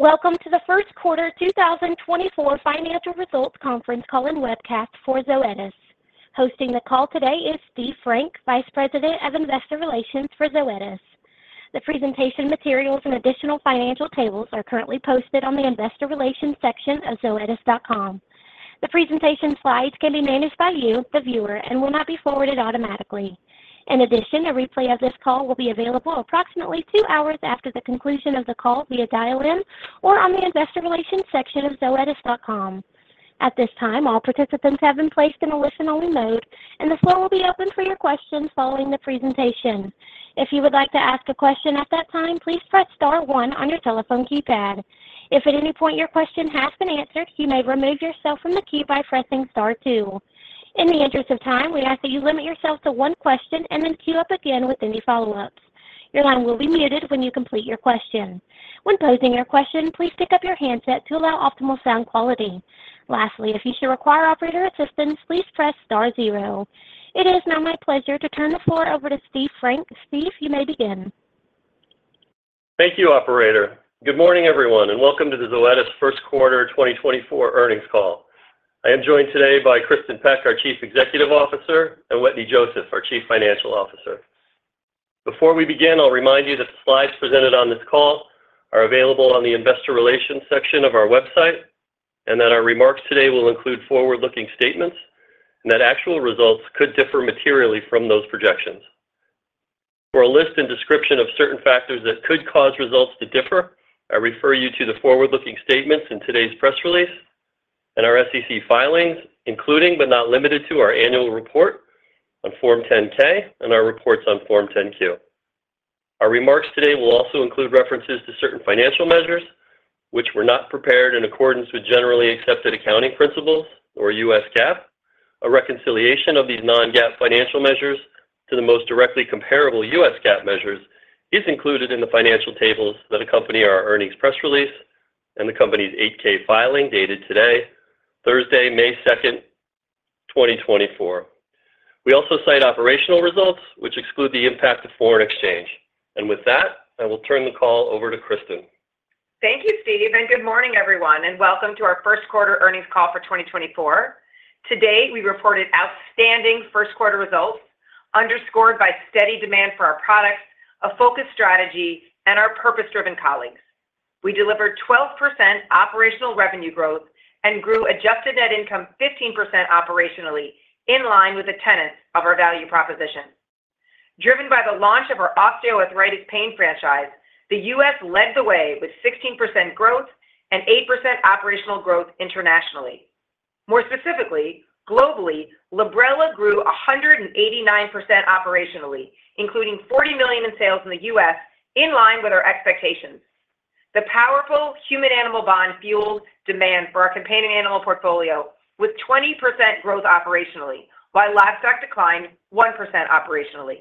Welcome to the first quarter 2024 financial results conference call and webcast for Zoetis. Hosting the call today is Steve Frank, Vice President of Investor Relations for Zoetis. The presentation materials and additional financial tables are currently posted on the investor relations section of zoetis.com. The presentation slides can be managed by you, the viewer, and will not be forwarded automatically. In addition, a replay of this call will be available approximately two hours after the conclusion of the call via dial-in or on the investor relations section of zoetis.com. At this time, all participants have been placed in a listen-only mode, and the floor will be open for your questions following the presentation. If you would like to ask a question at that time, please press star one on your telephone keypad. If at any point your question has been answered, you may remove yourself from the queue by pressing star two. In the interest of time, we ask that you limit yourself to one question and then queue up again with any follow-ups. Your line will be muted when you complete your question. When posing your question, please pick up your handset to allow optimal sound quality. Lastly, if you should require operator assistance, please press star zero. It is now my pleasure to turn the floor over to Steve Frank. Steve, you may begin. Thank you, operator. Good morning, everyone, and welcome to the Zoetis first quarter 2024 earnings call. I am joined today by Kristin Peck, our Chief Executive Officer, and Wetteny Joseph, our Chief Financial Officer. Before we begin, I'll remind you that the slides presented on this call are available on the investor relations section of our website and that our remarks today will include forward-looking statements and that actual results could differ materially from those projections. For a list and description of certain factors that could cause results to differ, I refer you to the forward-looking statements in today's press release and our SEC filings, including but not limited to our annual report on Form 10-K and our reports on Form 10-Q. Our remarks today will also include references to certain financial measures, which were not prepared in accordance with generally accepted accounting principles or U.S. GAAP. A reconciliation of these non-GAAP financial measures to the most directly comparable U.S. GAAP measures is included in the financial tables that accompany our earnings press release and the company's 8-K filing dated today, Thursday, May 2nd, 2024. We also cite operational results, which exclude the impact of foreign exchange. With that, I will turn the call over to Kristin. Thank you, Steve, and good morning, everyone, and welcome to our first quarter earnings call for 2024. Today, we reported outstanding first quarter results underscored by steady demand for our products, a focused strategy, and our purpose-driven colleagues. We delivered 12% operational revenue growth and grew adjusted net income 15% operationally in line with the tenets of our value proposition. Driven by the launch of our osteoarthritis pain franchise, the U.S. led the way with 16% growth and 8% operational growth internationally. More specifically, globally, Librela grew 189% operationally, including $40 million in sales in the U.S. in line with our expectations. The powerful human-animal bond fueled demand for our companion animal portfolio was 20% growth operationally, while livestock declined 1% operationally.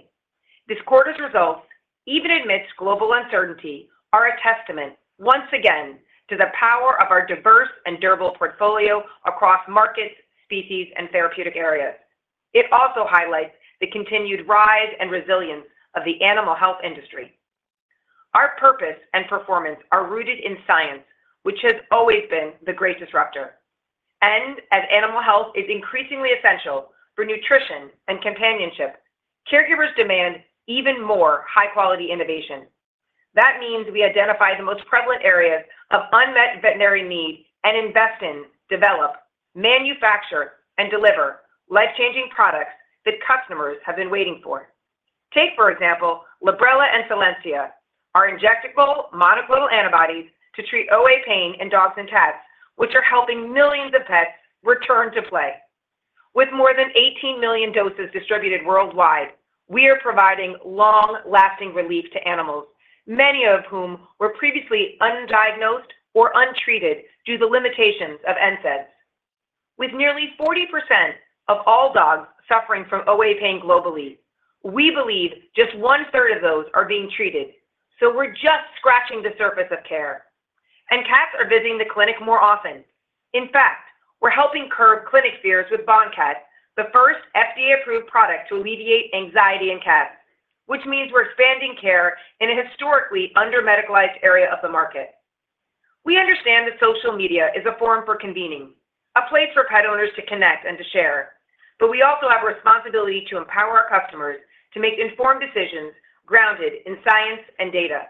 This quarter's results, even amidst global uncertainty, are a testament once again to the power of our diverse and durable portfolio across markets, species, and therapeutic areas. It also highlights the continued rise and resilience of the animal health industry. Our purpose and performance are rooted in science, which has always been the great disruptor. As animal health is increasingly essential for nutrition and companionship, caregivers demand even more high-quality innovation. That means we identify the most prevalent areas of unmet veterinary need and invest in, develop, manufacture, and deliver life-changing products that customers have been waiting for. Take, for example, Librela and Solensia, our injectable monoclonal antibodies to treat OA pain in dogs and cats, which are helping millions of pets return to play. With more than 18 million doses distributed worldwide, we are providing long-lasting relief to animals, many of whom were previously undiagnosed or untreated due to the limitations of NSAIDs. With nearly 40% of all dogs suffering from OA pain globally, we believe just one-third of those are being treated, so we're just scratching the surface of care. And cats are visiting the clinic more often. In fact, we're helping curb clinic fears with Bonqat, the first FDA-approved product to alleviate anxiety in cats, which means we're expanding care in a historically under-medicalized area of the market. We understand that social media is a form for convening, a place for pet owners to connect and to share, but we also have a responsibility to empower our customers to make informed decisions grounded in science and data.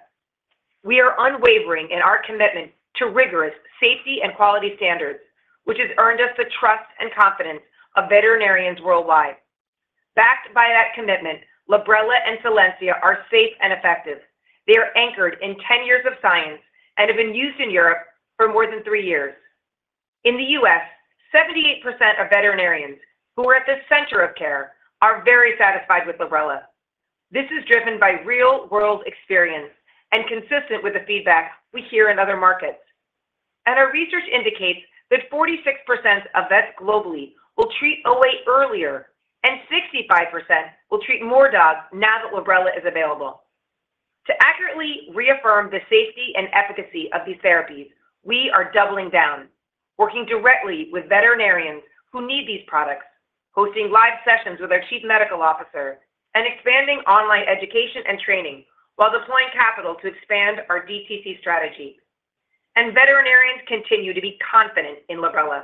We are unwavering in our commitment to rigorous safety and quality standards, which has earned us the trust and confidence of veterinarians worldwide. Backed by that commitment, Librela and Solensia are safe and effective. They are anchored in 10 years of science and have been used in Europe for more than three years. In the U.S., 78% of veterinarians who are at the center of care are very satisfied with Librela. This is driven by real-world experience and consistent with the feedback we hear in other markets. Our research indicates that 46% of vets globally will treat OA earlier, and 65% will treat more dogs now that Librela is available. To accurately reaffirm the safety and efficacy of these therapies, we are doubling down, working directly with veterinarians who need these products, hosting live sessions with our Chief Medical Officer, and expanding online education and training while deploying capital to expand our DTC strategy. Veterinarians continue to be confident in Librela,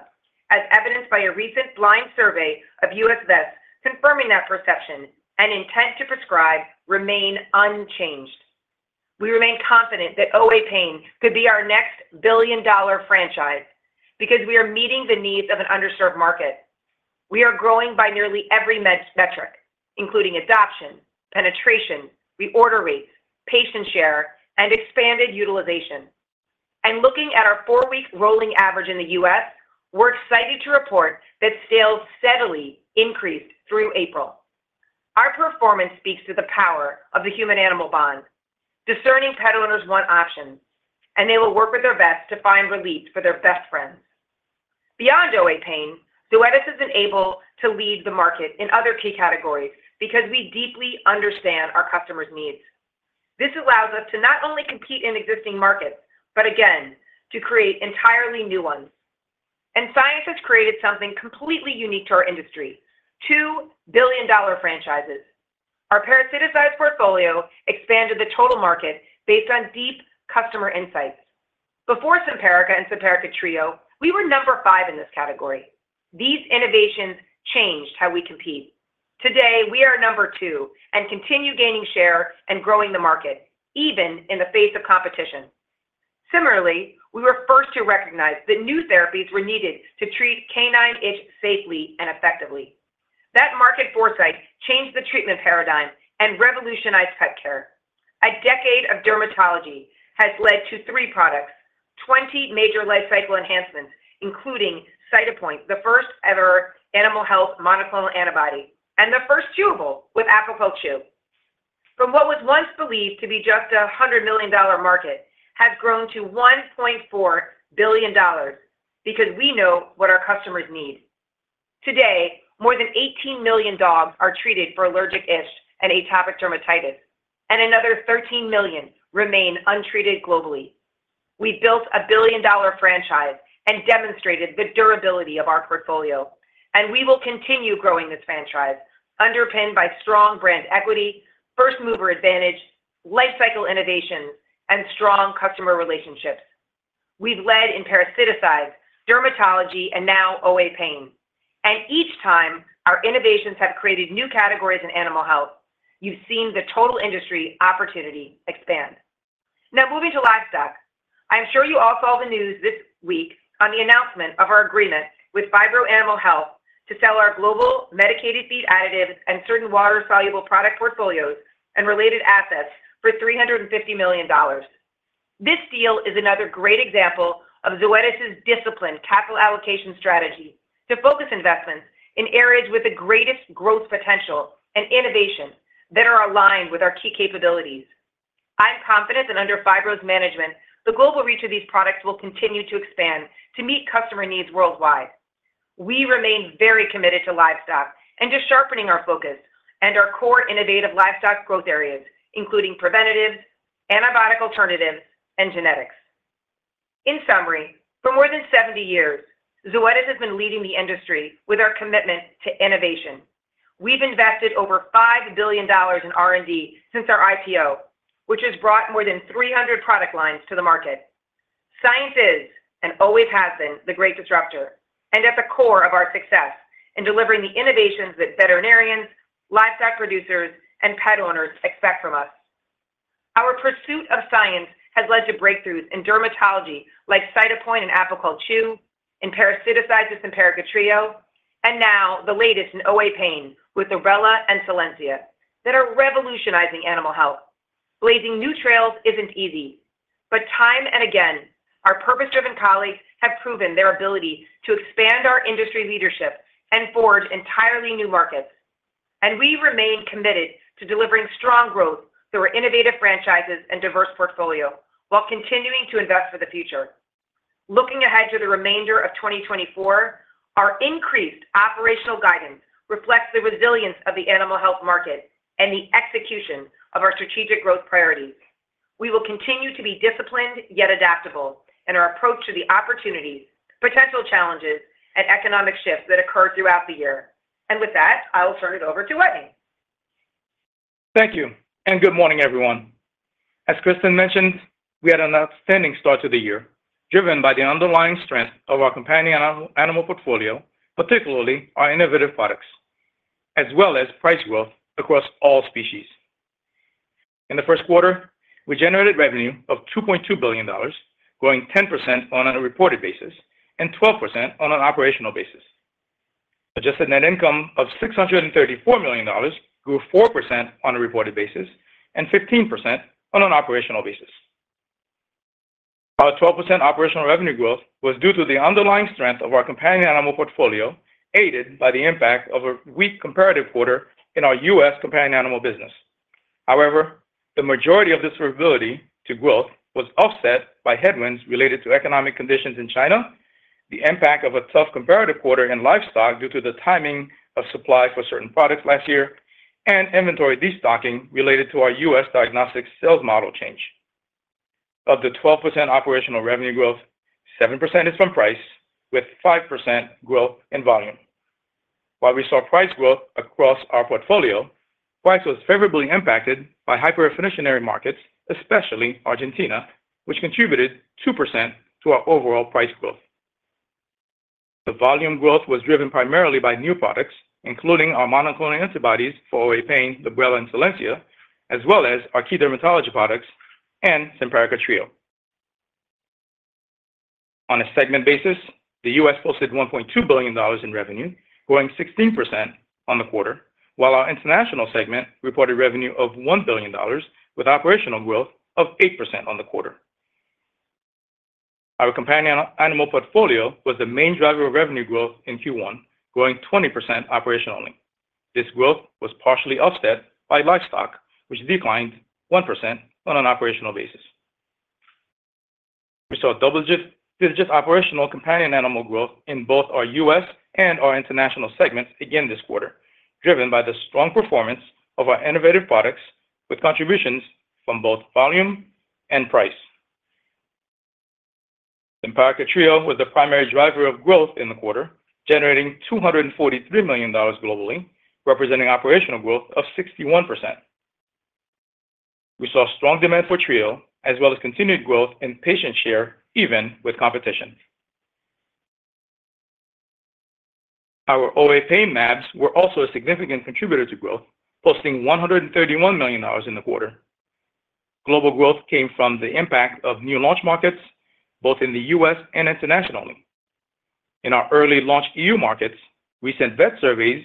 as evidenced by a recent blind survey of U.S. vets confirming that perception and intent to prescribe remain unchanged. We remain confident that OA pain could be our next billion-dollar franchise because we are meeting the needs of an underserved market. We are growing by nearly every metric, including adoption, penetration, reorder rates, patient share, and expanded utilization. Looking at our four-week rolling average in the U.S., we're excited to report that sales steadily increased through April. Our performance speaks to the power of the human-animal bond, discerning pet owners want one option, and they will work with their vets to find relief for their best friends. Beyond OA pain, Zoetis has been able to lead the market in other key categories because we deeply understand our customers' needs. This allows us to not only compete in existing markets but, again, to create entirely new ones. Science has created something completely unique to our industry: two billion-dollar franchises. Our parasiticide portfolio expanded the total market based on deep customer insights. Before Simparica and Simparica Trio, we were number five in this category. These innovations changed how we compete. Today, we are number two and continue gaining share and growing the market, even in the face of competition. Similarly, we were first to recognize that new therapies were needed to treat canine itch safely and effectively. That market foresight changed the treatment paradigm and revolutionized pet care. A decade of dermatology has led to three products, 20 major lifecycle enhancements, including Cytopoint, the first-ever animal health monoclonal antibody, and the first chewable with Apoquel Chewable. From what was once believed to be just a $100 million market has grown to $1.4 billion because we know what our customers need. Today, more than 18 million dogs are treated for allergic itch and atopic dermatitis, and another 13 million remain untreated globally. We built a billion-dollar franchise and demonstrated the durability of our portfolio, and we will continue growing this franchise, underpinned by strong brand equity, first-mover advantage, lifecycle innovations, and strong customer relationships. We've led in parasiticides, dermatology, and now OA pain. And each time our innovations have created new categories in animal health, you've seen the total industry opportunity expand. Now, moving to livestock, I'm sure you all saw the news this week on the announcement of our agreement with Phibro Animal Health to sell our global medicated feed additives and certain water-soluble product portfolios and related assets for $350 million. This deal is another great example of Zoetis's disciplined capital allocation strategy to focus investments in areas with the greatest growth potential and innovation that are aligned with our key capabilities. I'm confident that under Phibro's management, the global reach of these products will continue to expand to meet customer needs worldwide. We remain very committed to livestock and to sharpening our focus and our core innovative livestock growth areas, including preventatives, antibiotic alternatives, and genetics. In summary, for more than 70 years, Zoetis has been leading the industry with our commitment to innovation. We've invested over $5 billion in R&D since our IPO, which has brought more than 300 product lines to the market. Science is, and always has been, the great disruptor and at the core of our success in delivering the innovations that veterinarians, livestock producers, and pet owners expect from us. Our pursuit of science has led to breakthroughs in dermatology like Cytopoint and Apoquel Chew, in parasiticides with Simparica Trio, and now the latest in OA pain with Librela and Solensia that are revolutionizing animal health. Blazing new trails isn't easy, but time and again, our purpose-driven colleagues have proven their ability to expand our industry leadership and forge entirely new markets. And we remain committed to delivering strong growth through our innovative franchises and diverse portfolio while continuing to invest for the future. Looking ahead to the remainder of 2024, our increased operational guidance reflects the resilience of the animal health market and the execution of our strategic growth priorities. We will continue to be disciplined yet adaptable in our approach to the opportunities, potential challenges, and economic shifts that occur throughout the year. And with that, I will turn it over to Wetteny. Thank you, and good morning, everyone. As Kristin mentioned, we had an outstanding start to the year, driven by the underlying strength of our companion animal portfolio, particularly our innovative products, as well as price growth across all species. In the first quarter, we generated revenue of $2.2 billion, growing 10% on a reported basis and 12% on an operational basis. Adjusted net income of $634 million grew 4% on a reported basis and 15% on an operational basis. Our 12% operational revenue growth was due to the underlying strength of our companion animal portfolio, aided by the impact of a weak comparative quarter in our U.S. companion animal business. However, the majority of this variability to growth was offset by headwinds related to economic conditions in China, the impact of a tough comparative quarter in livestock due to the timing of supply for certain products last year, and inventory destocking related to our U.S. diagnostic sales model change. Of the 12% operational revenue growth, 7% is from price, with 5% growth in volume. While we saw price growth across our portfolio, price was favorably impacted by hyperinflationary markets, especially Argentina, which contributed 2% to our overall price growth. The volume growth was driven primarily by new products, including our monoclonal antibodies for OA pain, Librela, and Solensia, as well as our key dermatology products and Simparica Trio. On a segment basis, the U.S. posted $1.2 billion in revenue, growing 16% on the quarter, while our international segment reported revenue of $1 billion with operational growth of 8% on the quarter. Our companion animal portfolio was the main driver of revenue growth in Q1, growing 20% operationally. This growth was partially offset by livestock, which declined 1% on an operational basis. We saw double-digit operational companion animal growth in both our U.S. and our international segments again this quarter, driven by the strong performance of our innovative products with contributions from both volume and price. Simparica Trio was the primary driver of growth in the quarter, generating $243 million globally, representing operational growth of 61%. We saw strong demand for Trio, as well as continued growth in patient share, even with competition. Our OA pain MABs were also a significant contributor to growth, posting $131 million in the quarter. Global growth came from the impact of new launch markets, both in the U.S. and internationally. In our early launch E.U. markets, recent vet surveys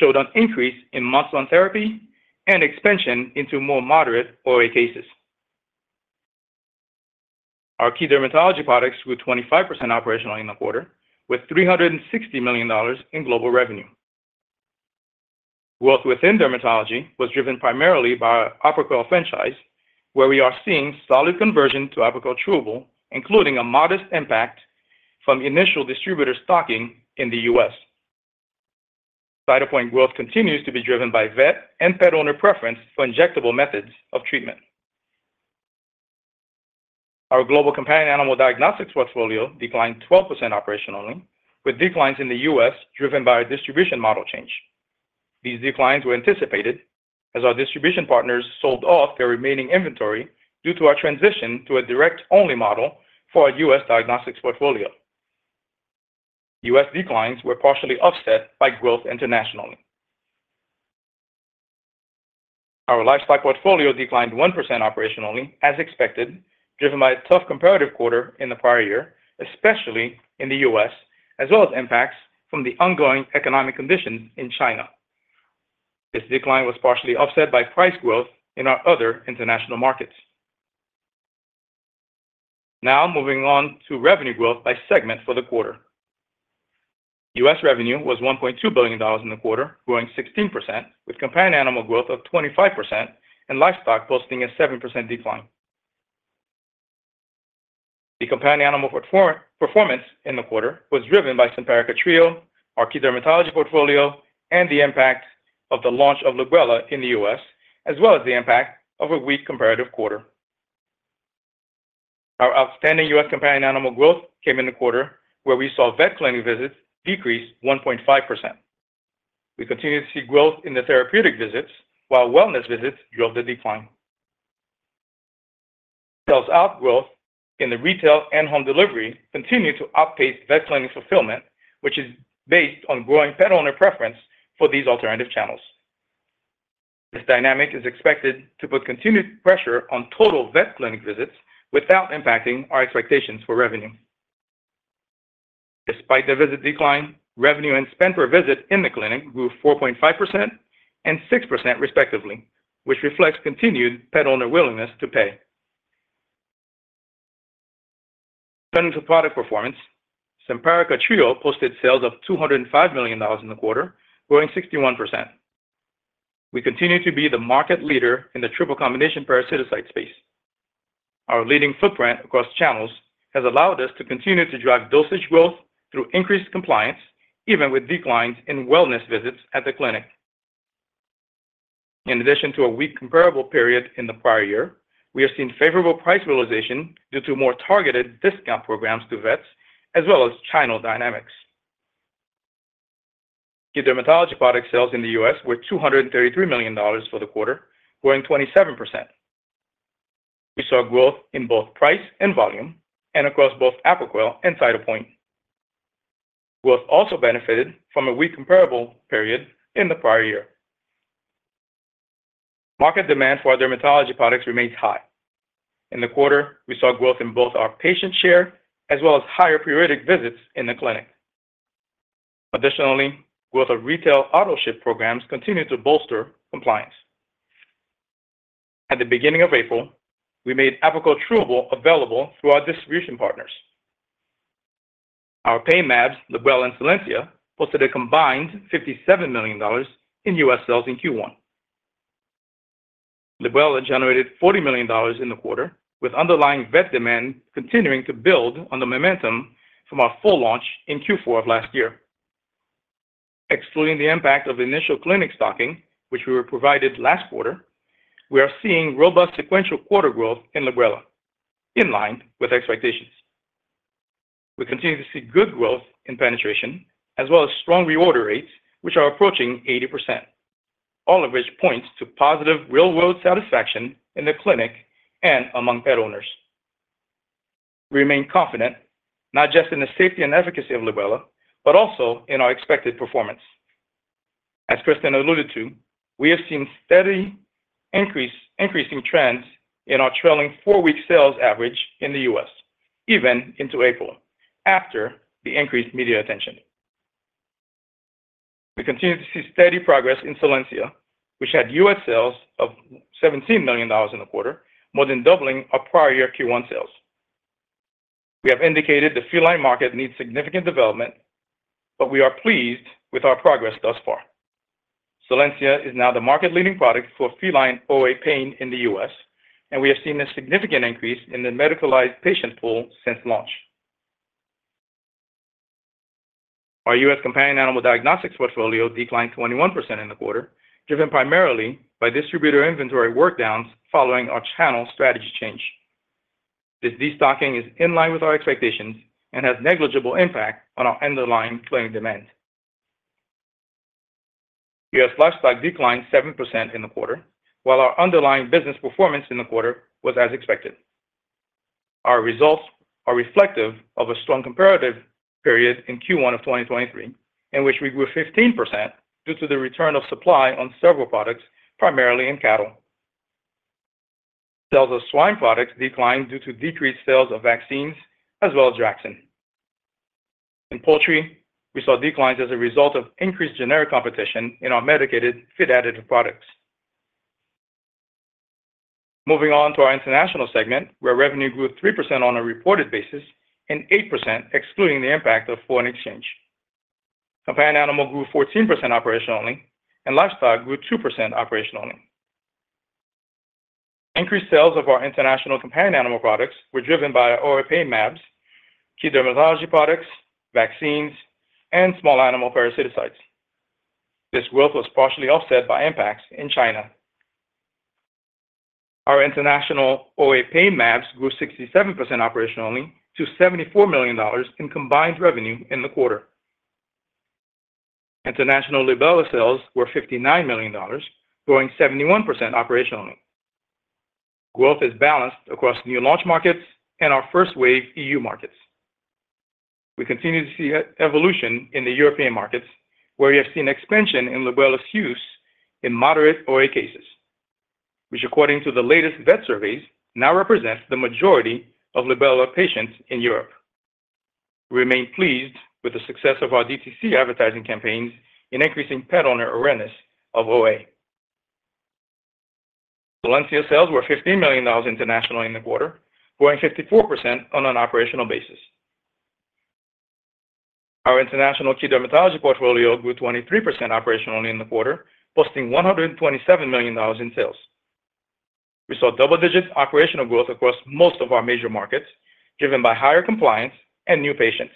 showed an increase in months-long therapy and expansion into more moderate OA cases. Our key dermatology products grew 25% operationally in the quarter, with $360 million in global revenue. Growth within dermatology was driven primarily by our Apoquel franchise, where we are seeing solid conversion to Apoquel Chewable, including a modest impact from initial distributor stocking in the U.S. Cytopoint growth continues to be driven by vet and pet owner preference for injectable methods of treatment. Our global companion animal diagnostics portfolio declined 12% operationally, with declines in the U.S. driven by our distribution model change. These declines were anticipated as our distribution partners sold off their remaining inventory due to our transition to a direct-only model for our U.S. diagnostics portfolio. U.S. declines were partially offset by growth internationally. Our lifestyle portfolio declined 1% operationally, as expected, driven by a tough comparative quarter in the prior year, especially in the U.S., as well as impacts from the ongoing economic conditions in China. This decline was partially offset by price growth in our other international markets. Now, moving on to revenue growth by segment for the quarter. U.S. revenue was $1.2 billion in the quarter, growing 16%, with companion animal growth of 25% and livestock posting a 7% decline. The companion animal performance in the quarter was driven by Simparica Trio, our key dermatology portfolio, and the impact of the launch of Librela in the U.S., as well as the impact of a weak comparative quarter. Our outstanding U.S. companion animal growth came in the quarter, where we saw vet clinic visits decrease 1.5%. We continue to see growth in the therapeutic visits, while wellness visits drove the decline. Sales growth in the retail and home delivery continued to outpace vet clinic fulfillment, which is based on growing pet owner preference for these alternative channels. This dynamic is expected to put continued pressure on total vet clinic visits without impacting our expectations for revenue. Despite the visit decline, revenue and spend per visit in the clinic grew 4.5% and 6%, respectively, which reflects continued pet owner willingness to pay. Turning to product performance, Simparica Trio posted sales of $205 million in the quarter, growing 61%. We continue to be the market leader in the triple combination parasiticide space. Our leading footprint across channels has allowed us to continue to drive dosage growth through increased compliance, even with declines in wellness visits at the clinic. In addition to a weak comparable period in the prior year, we have seen favorable price realization due to more targeted discount programs to vets, as well as channel dynamics. Key dermatology product sales in the U.S. were $233 million for the quarter, growing 27%. We saw growth in both price and volume and across both Apoquel and Cytopoint. Growth also benefited from a weak comparable period in the prior year. Market demand for our dermatology products remains high. In the quarter, we saw growth in both our patient share as well as higher periodic visits in the clinic. Additionally, growth of retail auto ship programs continued to bolster compliance. At the beginning of April, we made Apoquel Chewable available through our distribution partners. Our pain MABs, Librela and Solensia, posted a combined $57 million in U.S. sales in Q1. Librela generated $40 million in the quarter, with underlying vet demand continuing to build on the momentum from our full launch in Q4 of last year. Excluding the impact of initial clinic stocking, which we were provided last quarter, we are seeing robust sequential quarter growth in Librela, in line with expectations. We continue to see good growth in penetration, as well as strong reorder rates, which are approaching 80%, all of which points to positive real-world satisfaction in the clinic and among pet owners. We remain confident, not just in the safety and efficacy of Librela, but also in our expected performance. As Kristin alluded to, we have seen steady increasing trends in our trailing four-week sales average in the U.S., even into April, after the increased media attention. We continue to see steady progress in Solensia, which had U.S. sales of $17 million in the quarter, more than doubling our prior year Q1 sales. We have indicated the feline market needs significant development, but we are pleased with our progress thus far. Solensia is now the market-leading product for feline OA pain in the U.S., and we have seen a significant increase in the medicalized patient pool since launch. Our U.S. companion animal diagnostics portfolio declined 21% in the quarter, driven primarily by distributor inventory workdowns following our channel strategy change. This destocking is in line with our expectations and has negligible impact on our underlying clinic demand. U.S. livestock declined 7% in the quarter, while our underlying business performance in the quarter was as expected. Our results are reflective of a strong comparative period in Q1 of 2023, in which we grew 15% due to the return of supply on several products, primarily in cattle. Sales of swine products declined due to decreased sales of vaccines, as well as Jackson. In poultry, we saw declines as a result of increased generic competition in our medicated feed additive products. Moving on to our international segment, where revenue grew 3% on a reported basis and 8%, excluding the impact of foreign exchange. Companion animal grew 14% operationally, and livestock grew 2% operationally. Increased sales of our international companion animal products were driven by OA pain MABs, key dermatology products, vaccines, and small animal parasiticides. This growth was partially offset by impacts in China. Our international OA pain MABs grew 67% operationally to $74 million in combined revenue in the quarter. International Librela sales were $59 million, growing 71% operationally. Growth is balanced across new launch markets and our first wave EU markets. We continue to see evolution in the European markets, where we have seen expansion in Librela's use in moderate OA cases, which, according to the latest vet surveys, now represents the majority of Librela patients in Europe. We remain pleased with the success of our DTC advertising campaigns in increasing pet owner awareness of OA. Solensia sales were $15 million international in the quarter, growing 54% on an operational basis. Our international key dermatology portfolio grew 23% operationally in the quarter, posting $127 million in sales. We saw double-digit operational growth across most of our major markets, driven by higher compliance and new patients.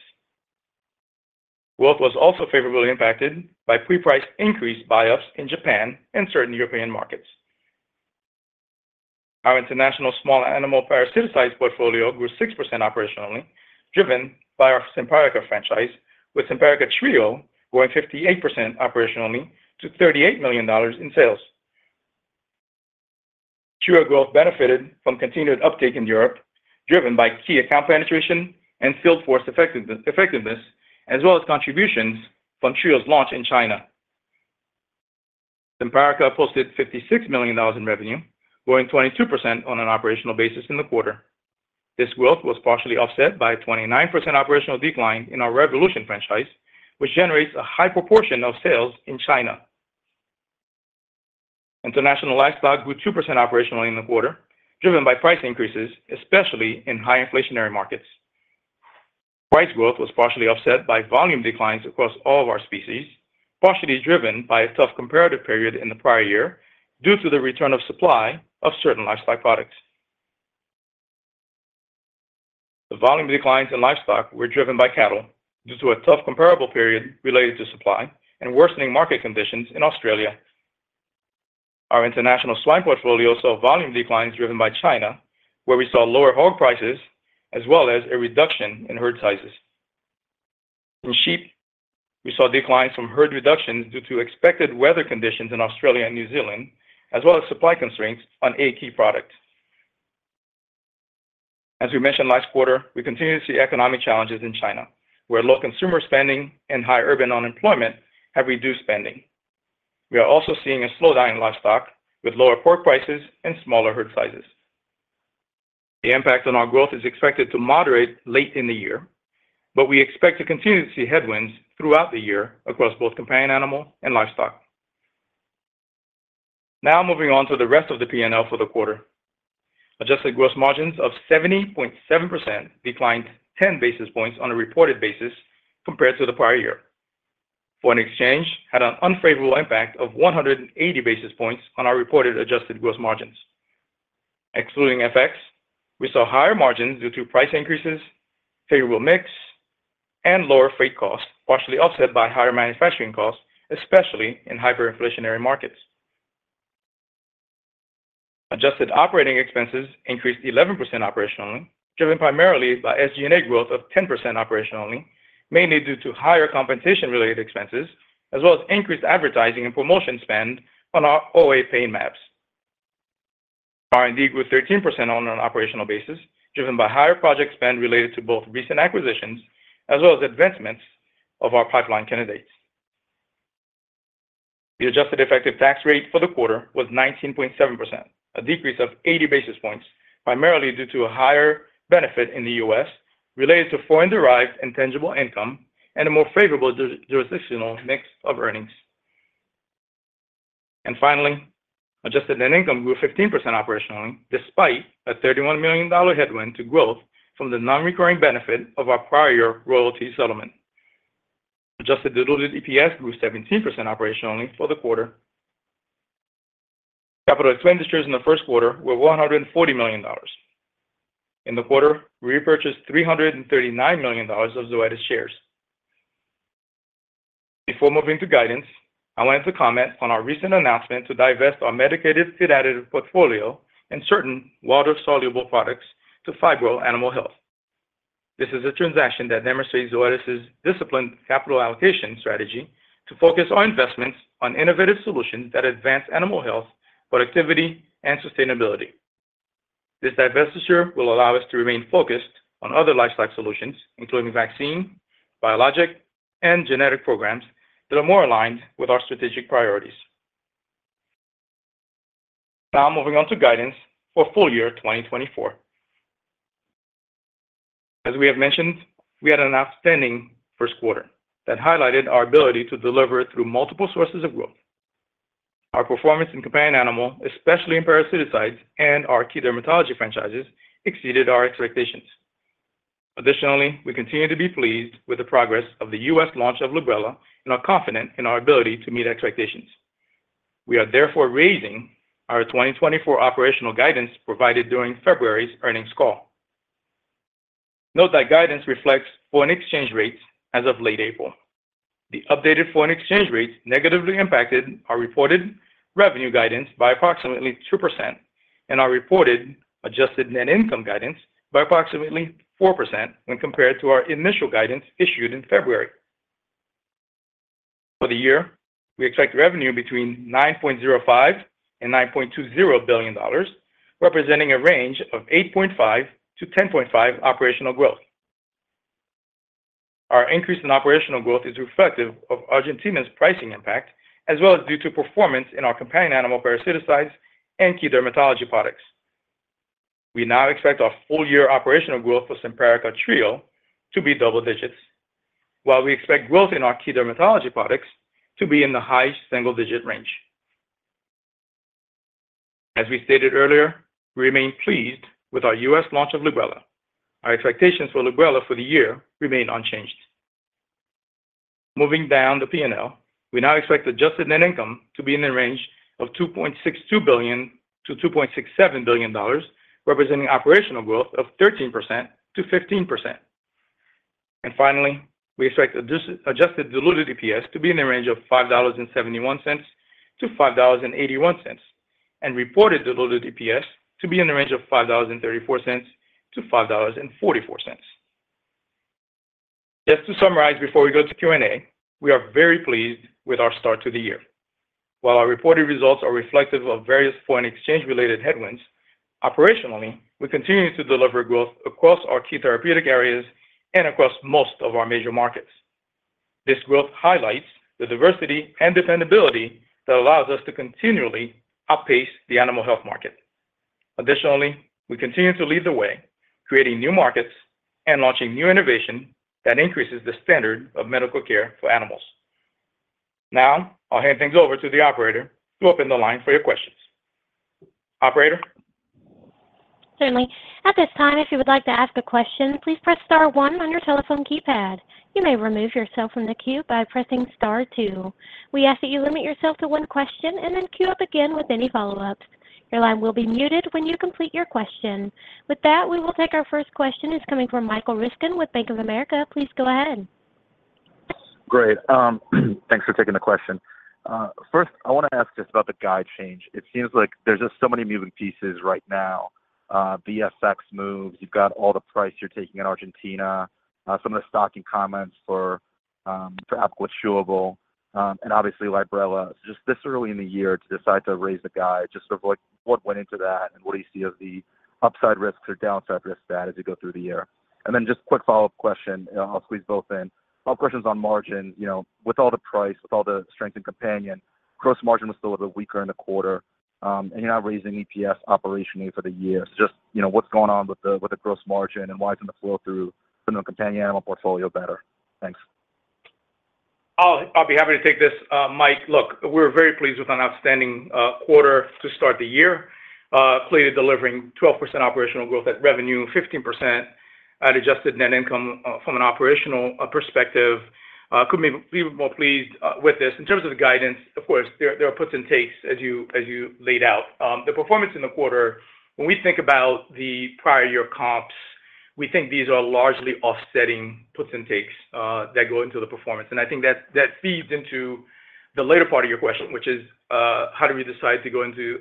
Growth was also favorably impacted by pre-price increase buyups in Japan and certain European markets. Our international small animal parasiticides portfolio grew 6% operationally, driven by our Simparica franchise, with Simparica Trio growing 58% operationally to $38 million in sales. Trio growth benefited from continued uptake in Europe, driven by key account penetration and field force effectiveness, as well as contributions from Trio's launch in China. Simparica posted $56 million in revenue, growing 22% on an operational basis in the quarter. This growth was partially offset by a 29% operational decline in our Revolution franchise, which generates a high proportion of sales in China. International livestock grew 2% operationally in the quarter, driven by price increases, especially in high inflationary markets. Price growth was partially offset by volume declines across all of our species, partially driven by a tough comparative period in the prior year due to the return of supply of certain livestock products. The volume declines in livestock were driven by cattle due to a tough comparable period related to supply and worsening market conditions in Australia. Our international swine portfolio saw volume declines driven by China, where we saw lower hog prices, as well as a reduction in herd sizes. In sheep, we saw declines from herd reductions due to expected weather conditions in Australia and New Zealand, as well as supply constraints on eight key products. As we mentioned last quarter, we continue to see economic challenges in China, where low consumer spending and high urban unemployment have reduced spending. We are also seeing a slowdown in livestock, with lower pork prices and smaller herd sizes. The impact on our growth is expected to moderate late in the year, but we expect to continue to see headwinds throughout the year across both companion animal and livestock. Now, moving on to the rest of the P&L for the quarter. Adjusted gross margins of 70.7% declined 10 basis points on a reported basis compared to the prior year. Foreign exchange had an unfavorable impact of 180 basis points on our reported adjusted gross margins. Excluding FX, we saw higher margins due to price increases, favorable mix, and lower freight costs, partially offset by higher manufacturing costs, especially in hyperinflationary markets. Adjusted operating expenses increased 11% operationally, driven primarily by SG&A growth of 10% operationally, mainly due to higher compensation-related expenses, as well as increased advertising and promotion spend on our OA pain MABs. R&D grew 13% on an operational basis, driven by higher project spend related to both recent acquisitions as well as advancements of our pipeline candidates. The adjusted effective tax rate for the quarter was 19.7%, a decrease of 80 basis points, primarily due to a higher benefit in the U.S. related to foreign-derived intangible income and a more favorable jurisdictional mix of earnings. Finally, adjusted net income grew 15% operationally, despite a $31 million headwind to growth from the non-recurring benefit of our prior royalty settlement. Adjusted diluted EPS grew 17% operationally for the quarter. Capital expenditures in the first quarter were $140 million. In the quarter, we repurchased $339 million of Zoetis shares. Before moving to guidance, I wanted to comment on our recent announcement to divest our medicated feed additive portfolio and certain water-soluble products to Phibro Animal Health. This is a transaction that demonstrates Zoetis's disciplined capital allocation strategy to focus our investments on innovative solutions that advance animal health, productivity, and sustainability. This divestiture will allow us to remain focused on other lifestyle solutions, including vaccine, biologic, and genetic programs that are more aligned with our strategic priorities. Now, moving on to guidance for full year 2024. As we have mentioned, we had an outstanding first quarter that highlighted our ability to deliver through multiple sources of growth. Our performance in companion animal, especially in parasiticides and our key dermatology franchises, exceeded our expectations. Additionally, we continue to be pleased with the progress of the U.S. launch of Librela and are confident in our ability to meet expectations. We are therefore raising our 2024 operational guidance provided during February's earnings call. Note that guidance reflects foreign exchange rates as of late April. The updated foreign exchange rates negatively impacted our reported revenue guidance by approximately 2% and our reported adjusted net income guidance by approximately 4% when compared to our initial guidance issued in February. For the year, we expect revenue between $9.05 billion-$9.20 billion, representing a range of 8.5%-10.5% operational growth. Our increase in operational growth is reflective of Argentina's pricing impact, as well as due to performance in our companion animal parasiticides and key dermatology products. We now expect our full year operational growth for Simparica Trio to be double digits, while we expect growth in our key dermatology products to be in the high single-digit range. As we stated earlier, we remain pleased with our U.S. launch of Librela. Our expectations for Librela for the year remain unchanged. Moving down the P&L, we now expect adjusted net income to be in the range of $2.62 billion-$2.67 billion, representing operational growth of 13%-15%. And finally, we expect adjusted diluted EPS to be in the range of $5.71-$5.81 and reported diluted EPS to be in the range of $5.34-$5.44. Just to summarize before we go to Q&A, we are very pleased with our start to the year. While our reported results are reflective of various foreign exchange-related headwinds, operationally, we continue to deliver growth across our key therapeutic areas and across most of our major markets. This growth highlights the diversity and dependability that allows us to continually outpace the animal health market. Additionally, we continue to lead the way, creating new markets and launching new innovation that increases the standard of medical care for animals. Now, I'll hand things over to the operator to open the line for your questions. Operator? Certainly. At this time, if you would like to ask a question, please press star one on your telephone keypad. You may remove yourself from the queue by pressing star two. We ask that you limit yourself to one question and then queue up again with any follow-ups. Your line will be muted when you complete your question. With that, we will take our first question. It's coming from Michael Ryskin with Bank of America. Please go ahead. Great. Thanks for taking the question. First, I want to ask just about the guide change. It seems like there's just so many moving pieces right now. FX moves. You've got all the price you're taking in Argentina, some of the stocking comments for Apoquel Chewable, and obviously Librela. Just this early in the year to decide to raise the guide, just sort of what went into that and what do you see as the upside risks or downside risks that as you go through the year? And then just quick follow-up question. I'll squeeze both in. Follow-up question on margins. With all the price, with all the strength in companion, gross margin was still a little bit weaker in the quarter, and you're not raising EPS operationally for the year. Just what's going on with the gross margin and why isn't the flow through from the companion animal portfolio better? Thanks. I'll be happy to take this, Mike. Look, we're very pleased with an outstanding quarter to start the year, clearly delivering 12% operational growth at revenue, 15% at adjusted net income from an operational perspective. Couldn't be even more pleased with this. In terms of the guidance, of course, there are puts and takes, as you laid out. The performance in the quarter, when we think about the prior year comps, we think these are largely offsetting puts and takes that go into the performance. And I think that feeds into the later part of your question, which is how do we decide to go into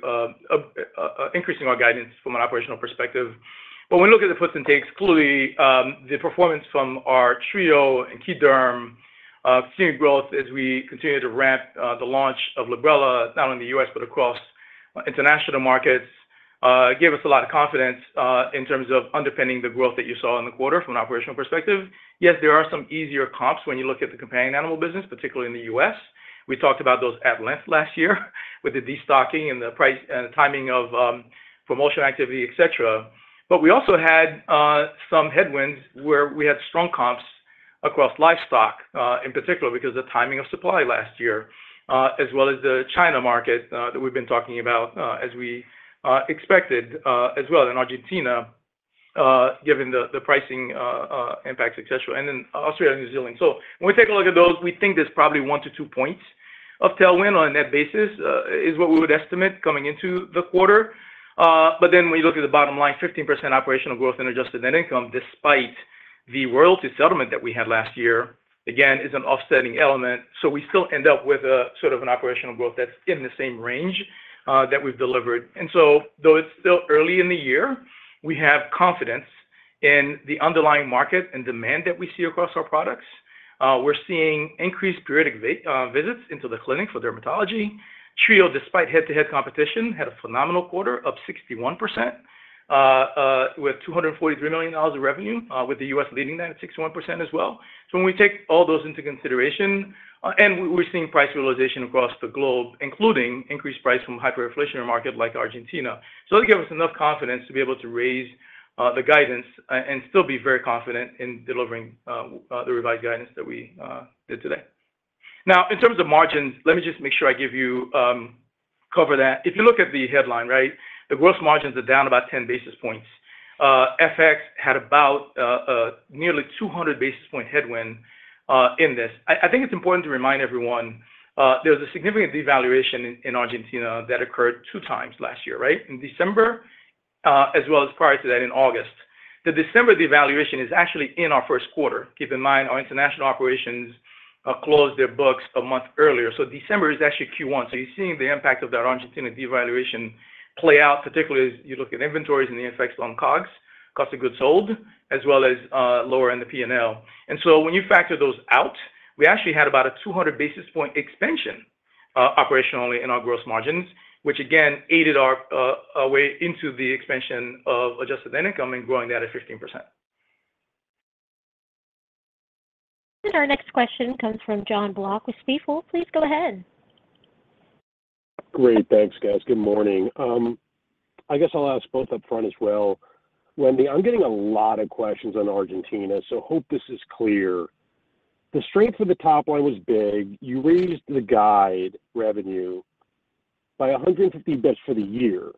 increasing our guidance from an operational perspective? But when we look at the puts and takes, clearly, the performance from our Trio and Key Derm, continued growth as we continue to ramp the launch of Librela, not only in the U.S. but across international markets, gave us a lot of confidence in terms of underpinning the growth that you saw in the quarter from an operational perspective. Yes, there are some easier comps when you look at the companion animal business, particularly in the U.S. We talked about those at length last year with the destocking and the timing of promotion activity, etc. But we also had some headwinds where we had strong comps across livestock in particular because of the timing of supply last year, as well as the China market that we've been talking about as we expected as well in Argentina, given the pricing impacts, etc., and then Australia and New Zealand. So when we take a look at those, we think there's probably one to two points of tailwind on a net basis is what we would estimate coming into the quarter. But then when you look at the bottom line, 15% operational growth in adjusted net income despite the royalty settlement that we had last year, again, is an offsetting element. So we still end up with sort of an operational growth that's in the same range that we've delivered. And so though it's still early in the year, we have confidence in the underlying market and demand that we see across our products. We're seeing increased periodic visits into the clinic for dermatology. Trio, despite head-to-head competition, had a phenomenal quarter of 61% with $243 million of revenue, with the U.S. leading that at 61% as well. So when we take all those into consideration, and we're seeing price realization across the globe, including increased price from hyperinflationary markets like Argentina, so that gave us enough confidence to be able to raise the guidance and still be very confident in delivering the revised guidance that we did today. Now, in terms of margins, let me just make sure I cover that. If you look at the headline, right, the gross margins are down about 10 basis points. FX had about nearly 200 basis point headwind in this. I think it's important to remind everyone, there was a significant devaluation in Argentina that occurred two times last year, right, in December as well as prior to that in August. The December devaluation is actually in our first quarter. Keep in mind, our international operations closed their books a month earlier. So December is actually Q1. So you're seeing the impact of that Argentina devaluation play out, particularly as you look at inventories and the effects on COGS, cost of goods sold, as well as lower in the P&L. And so when you factor those out, we actually had about a 200 basis point expansion operationally in our gross margins, which again aided our way into the expansion of adjusted net income and growing that at 15%. Our next question comes from John Block with Stifel. Please go ahead. Great. Thanks, guys. Good morning. I guess I'll ask both upfront as well. Wetteny, I'm getting a lot of questions on Argentina, so hope this is clear. The strength of the top line was big. You raised the guide revenue by 150 basis points for the year.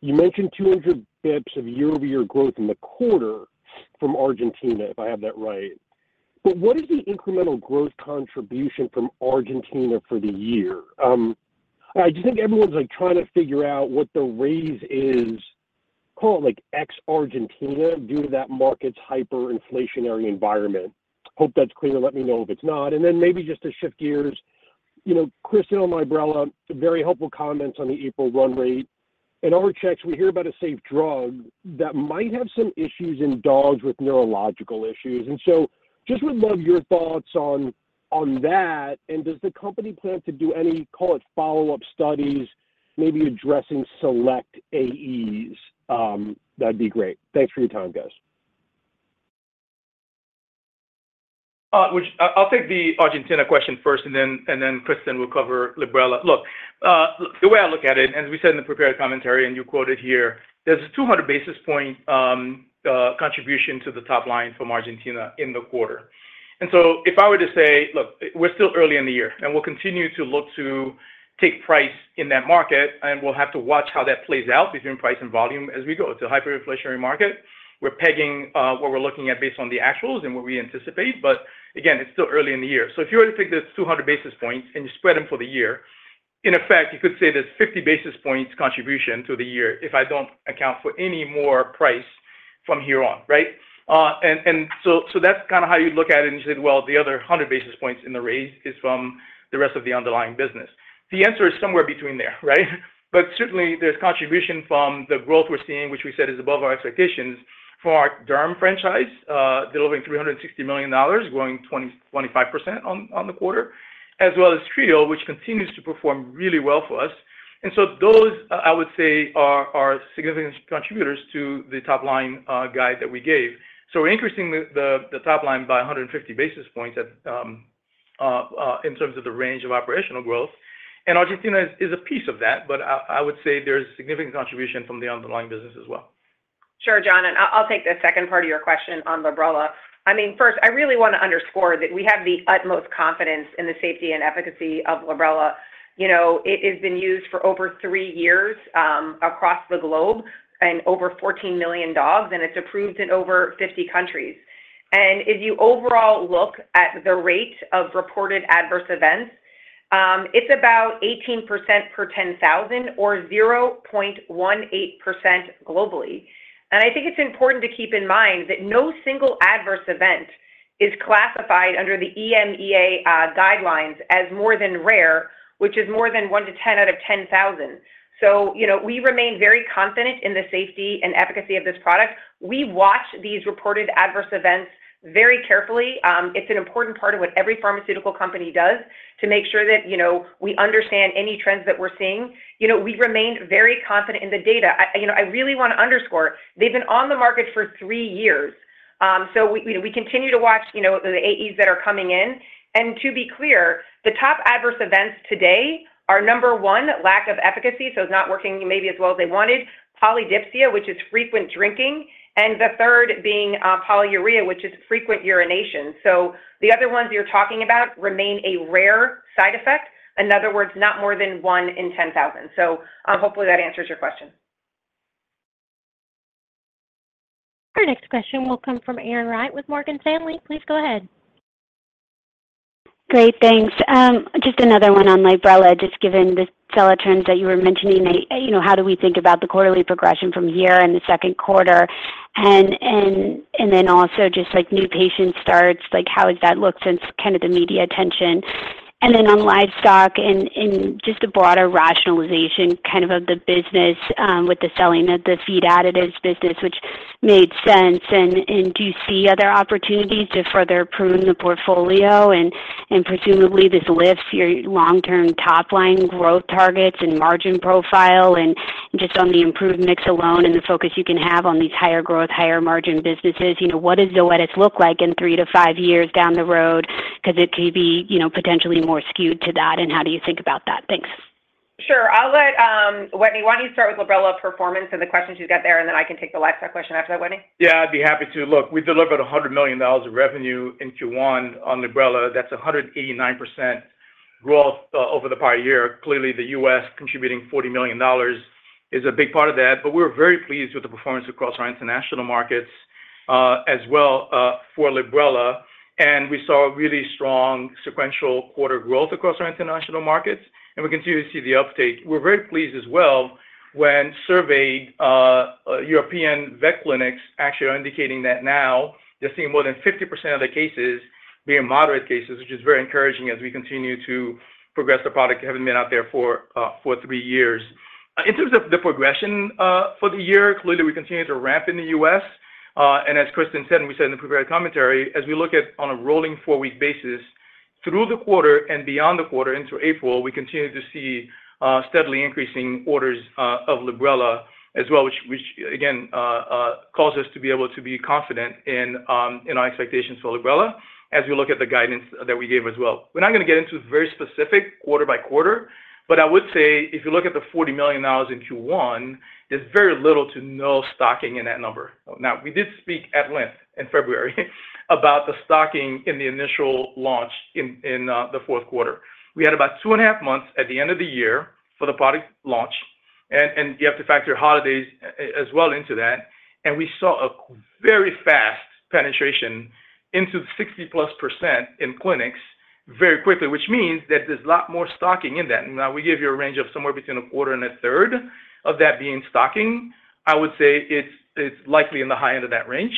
You mentioned 200 basis points of year-over-year growth in the quarter from Argentina, if I have that right. But what is the incremental growth contribution from Argentina for the year? I just think everyone's trying to figure out what the raise is, call it X Argentina, due to that market's hyperinflationary environment. Hope that's clear. Let me know if it's not. And then maybe just to shift gears, Kristin on Librela, very helpful comments on the April run rate. In our checks, we hear about a safe drug that might have some issues in dogs with neurological issues. And so just would love your thoughts on that. And does the company plan to do any, call it, follow-up studies, maybe addressing select AEs? That'd be great. Thanks for your time, guys. I'll take the Argentina question first, and then Kristin will cover Librela. Look, the way I look at it, and as we said in the prepared commentary, and you quoted here, there's a 200 basis point contribution to the top line from Argentina in the quarter. And so if I were to say, look, we're still early in the year, and we'll continue to look to take price in that market, and we'll have to watch how that plays out between price and volume as we go. It's a hyperinflationary market. We're pegging what we're looking at based on the actuals and what we anticipate. But again, it's still early in the year. So if you were to take those 200 basis points and you spread them for the year, in effect, you could say there's 50 basis points contribution to the year if I don't account for any more price from here on, right? And so that's kind of how you look at it. And you say, well, the other 100 basis points in the raise is from the rest of the underlying business. The answer is somewhere between there, right? But certainly, there's contribution from the growth we're seeing, which we said is above our expectations, from our Derm franchise, delivering $360 million, growing 25% on the quarter, as well as Trio, which continues to perform really well for us. And so those, I would say, are significant contributors to the top line guide that we gave. We're increasing the top line by 150 basis points in terms of the range of operational growth. Argentina is a piece of that. I would say there's a significant contribution from the underlying business as well. Sure, John. And I'll take the second part of your question on Librela. I mean, first, I really want to underscore that we have the utmost confidence in the safety and efficacy of Librela. It has been used for over three years across the globe and over 14 million dogs, and it's approved in over 50 countries. And as you overall look at the rate of reported adverse events, it's about 18% per 10,000 or 0.18% globally. And I think it's important to keep in mind that no single adverse event is classified under the EMEA guidelines as more than rare, which is more than one to 10 out of 10,000. So we remain very confident in the safety and efficacy of this product. We watch these reported adverse events very carefully. It's an important part of what every pharmaceutical company does to make sure that we understand any trends that we're seeing. We remain very confident in the data. I really want to underscore, they've been on the market for three years. So we continue to watch the AEs that are coming in. And to be clear, the top adverse events today are, number one, lack of efficacy. So it's not working maybe as well as they wanted, polydipsia, which is frequent drinking, and the third being polyuria, which is frequent urination. So the other ones you're talking about remain a rare side effect. In other words, not more than one in 10,000. So hopefully, that answers your question. Our next question will come from Erin Wright with Morgan Stanley. Please go ahead. Great. Thanks. Just another one on Librela, just given the sell-throughs that you were mentioning, how do we think about the quarterly progression from here and the second quarter? And then also just new patient starts, how does that look since kind of the media attention? And then on livestock and just the broader rationalization kind of of the business with the selling of the feed additives business, which made sense. And do you see other opportunities to further prune the portfolio? And presumably, this lifts your long-term top-line growth targets and margin profile. And just on the improved mix alone and the focus you can have on these higher growth, higher margin businesses, what does Zoetis look like in three to five years down the road? Because it could be potentially more skewed to that. And how do you think about that? Thanks. Sure. Wetteny, why don't you start with Librela performance and the questions you've got there, and then I can take the livestock question after that, Wetteny? Yeah, I'd be happy to. Look, we delivered $100 million of revenue in Q1 on Librela. That's 189% growth over the prior year. Clearly, the U.S. contributing $40 million is a big part of that. But we were very pleased with the performance across our international markets as well for Librela. And we saw really strong sequential quarter growth across our international markets. And we continue to see the uptake. We're very pleased as well when surveyed European vet clinics actually are indicating that now they're seeing more than 50% of the cases being moderate cases, which is very encouraging as we continue to progress the product, having been out there for three years. In terms of the progression for the year, clearly, we continue to ramp in the U.S. As Kristin said, and we said in the prepared commentary, as we look at on a rolling four-week basis, through the quarter and beyond the quarter into April, we continue to see steadily increasing orders of Librela as well, which, again, calls us to be able to be confident in our expectations for Librela as we look at the guidance that we gave as well. We're not going to get into very specific quarter by quarter. But I would say if you look at the $40 million in Q1, there's very little to no stocking in that number. Now, we did speak at length in February about the stocking in the initial launch in the fourth quarter. We had about two and a half months at the end of the year for the product launch. And you have to factor holidays as well into that. We saw a very fast penetration into the 60%+ in clinics very quickly, which means that there's a lot more stocking in that. Now, we give you a range of somewhere between a quarter and a third of that being stocking. I would say it's likely in the high end of that range.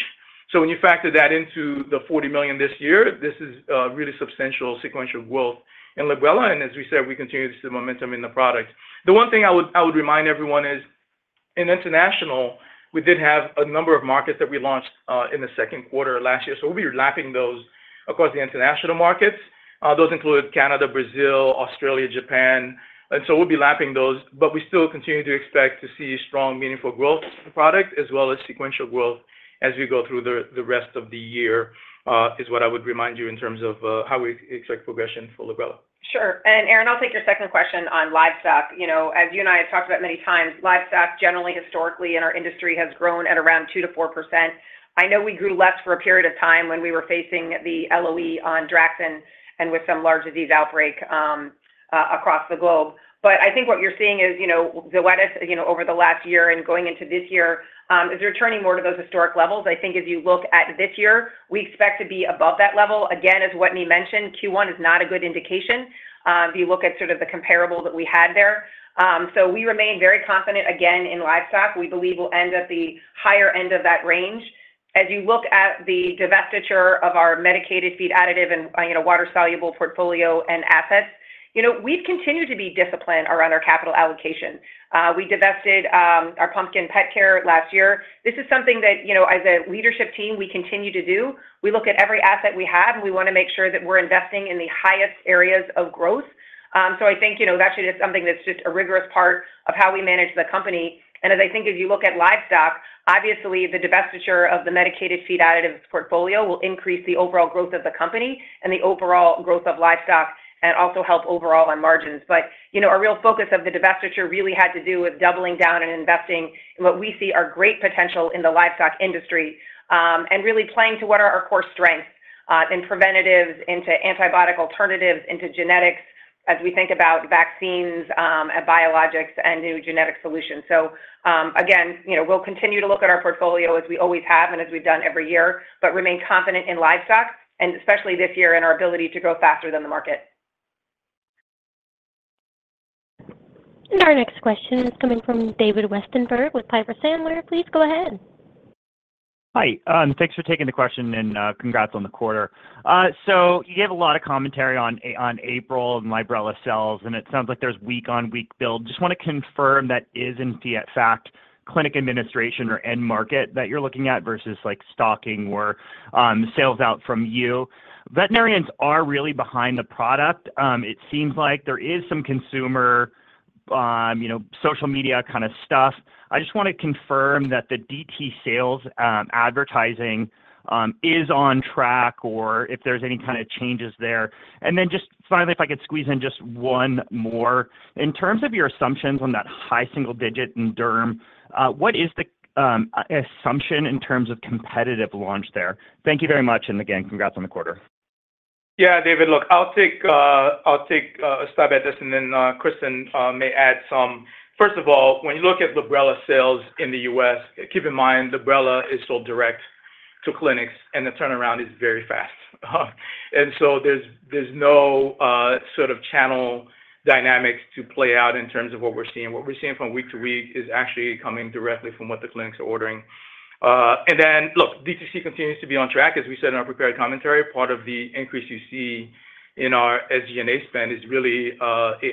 So when you factor that into the $40 million this year, this is really substantial sequential growth in Librela. As we said, we continue to see the momentum in the product. The one thing I would remind everyone is in international, we did have a number of markets that we launched in the second quarter last year. So we'll be lapping those across the international markets. Those included Canada, Brazil, Australia, Japan. And so we'll be lapping those. But we still continue to expect to see strong, meaningful growth for the product as well as sequential growth as we go through the rest of the year, is what I would remind you in terms of how we expect progression for Librela. Sure. And Erin, I'll take your second question on livestock. As you and I have talked about many times, livestock generally, historically, in our industry has grown at around 2%-4%. I know we grew less for a period of time when we were facing the LOE on Draxxin and with some large disease outbreak across the globe. But I think what you're seeing is Zoetis over the last year and going into this year, is returning more to those historic levels. I think as you look at this year, we expect to be above that level. Again, as Wetteny mentioned, Q1 is not a good indication if you look at sort of the comparable that we had there. So we remain very confident, again, in livestock. We believe we'll end at the higher end of that range. As you look at the divestiture of our medicated feed additive and water-soluble portfolio and assets, we've continued to be disciplined around our capital allocation. We divested our pumpkin pet care last year. This is something that as a leadership team, we continue to do. We look at every asset we have, and we want to make sure that we're investing in the highest areas of growth. So I think that should be something that's just a rigorous part of how we manage the company. And as I think as you look at livestock, obviously, the divestiture of the medicated feed additive portfolio will increase the overall growth of the company and the overall growth of livestock and also help overall on margins. But our real focus of the divestiture really had to do with doubling down and investing in what we see are great potential in the livestock industry and really playing to what are our core strengths in preventatives, into antibiotic alternatives, into genetics as we think about vaccines and biologics and new genetic solutions. So again, we'll continue to look at our portfolio as we always have and as we've done every year, but remain confident in livestock, and especially this year in our ability to grow faster than the market. And our next question is coming from David Westenberg with Piper Sandler. Please go ahead. Hi. Thanks for taking the question, and congrats on the quarter. So you gave a lot of commentary on April and Librela sales, and it sounds like there's week-on-week build. Just want to confirm that is in fact clinic administration or end market that you're looking at versus stocking or sales out from you. Veterinarians are really behind the product. It seems like there is some consumer social media kind of stuff. I just want to confirm that the DTC sales advertising is on track or if there's any kind of changes there. And then just finally, if I could squeeze in just one more, in terms of your assumptions on that high single digit in Derm, what is the assumption in terms of competitive launch there? Thank you very much. And again, congrats on the quarter. Yeah, David. Look, I'll take a stab at this, and then Kristin may add some. First of all, when you look at Librela sales in the U.S., keep in mind Librela is sold direct to clinics, and the turnaround is very fast. So there's no sort of channel dynamics to play out in terms of what we're seeing. What we're seeing from week to week is actually coming directly from what the clinics are ordering. Then look, DTC continues to be on track, as we said in our prepared commentary. Part of the increase you see in our SG&A spend is really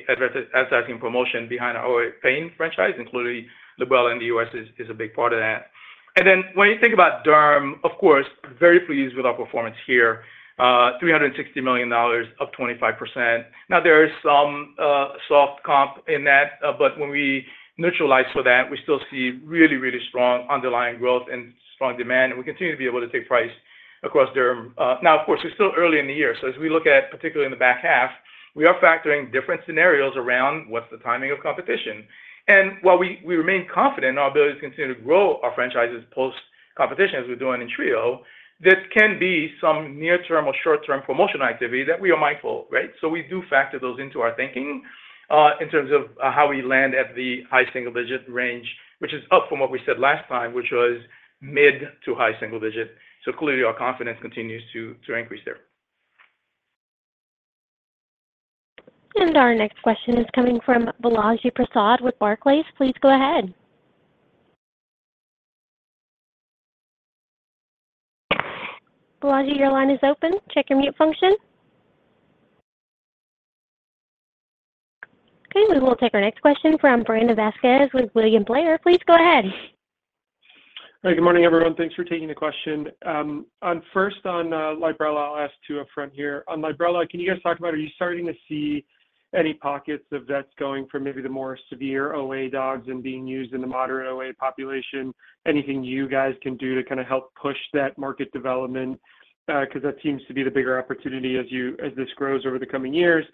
advertising and promotion behind our pain franchise, including Librela in the U.S., is a big part of that. Then when you think about Derm, of course, very pleased with our performance here, $360 million up 25%. Now, there is some soft comp in that. But when we neutralize for that, we still see really, really strong underlying growth and strong demand. And we continue to be able to take price across Derm. Now, of course, we're still early in the year. So as we look at particularly in the back half, we are factoring different scenarios around what's the timing of competition. And while we remain confident in our ability to continue to grow our franchises post-competition as we're doing in Trio, there can be some near-term or short-term promotional activity that we are mindful, right? So we do factor those into our thinking in terms of how we land at the high single digit range, which is up from what we said last time, which was mid to high single digit. So clearly, our confidence continues to increase there. Our next question is coming from Balaji Prasad with Barclays. Please go ahead. Balaji, your line is open. Check your mute function. Okay. We will take our next question from Brandon Vazquez with William Blair. Please go ahead. All right. Good morning, everyone. Thanks for taking the question. First, on Librela, I'll ask upfront here. On Librela, can you guys talk about, are you starting to see any pockets of vets going for maybe the more severe OA dogs and being used in the moderate OA population? Anything you guys can do to kind of help push that market development? Because that seems to be the bigger opportunity as this grows over the coming years.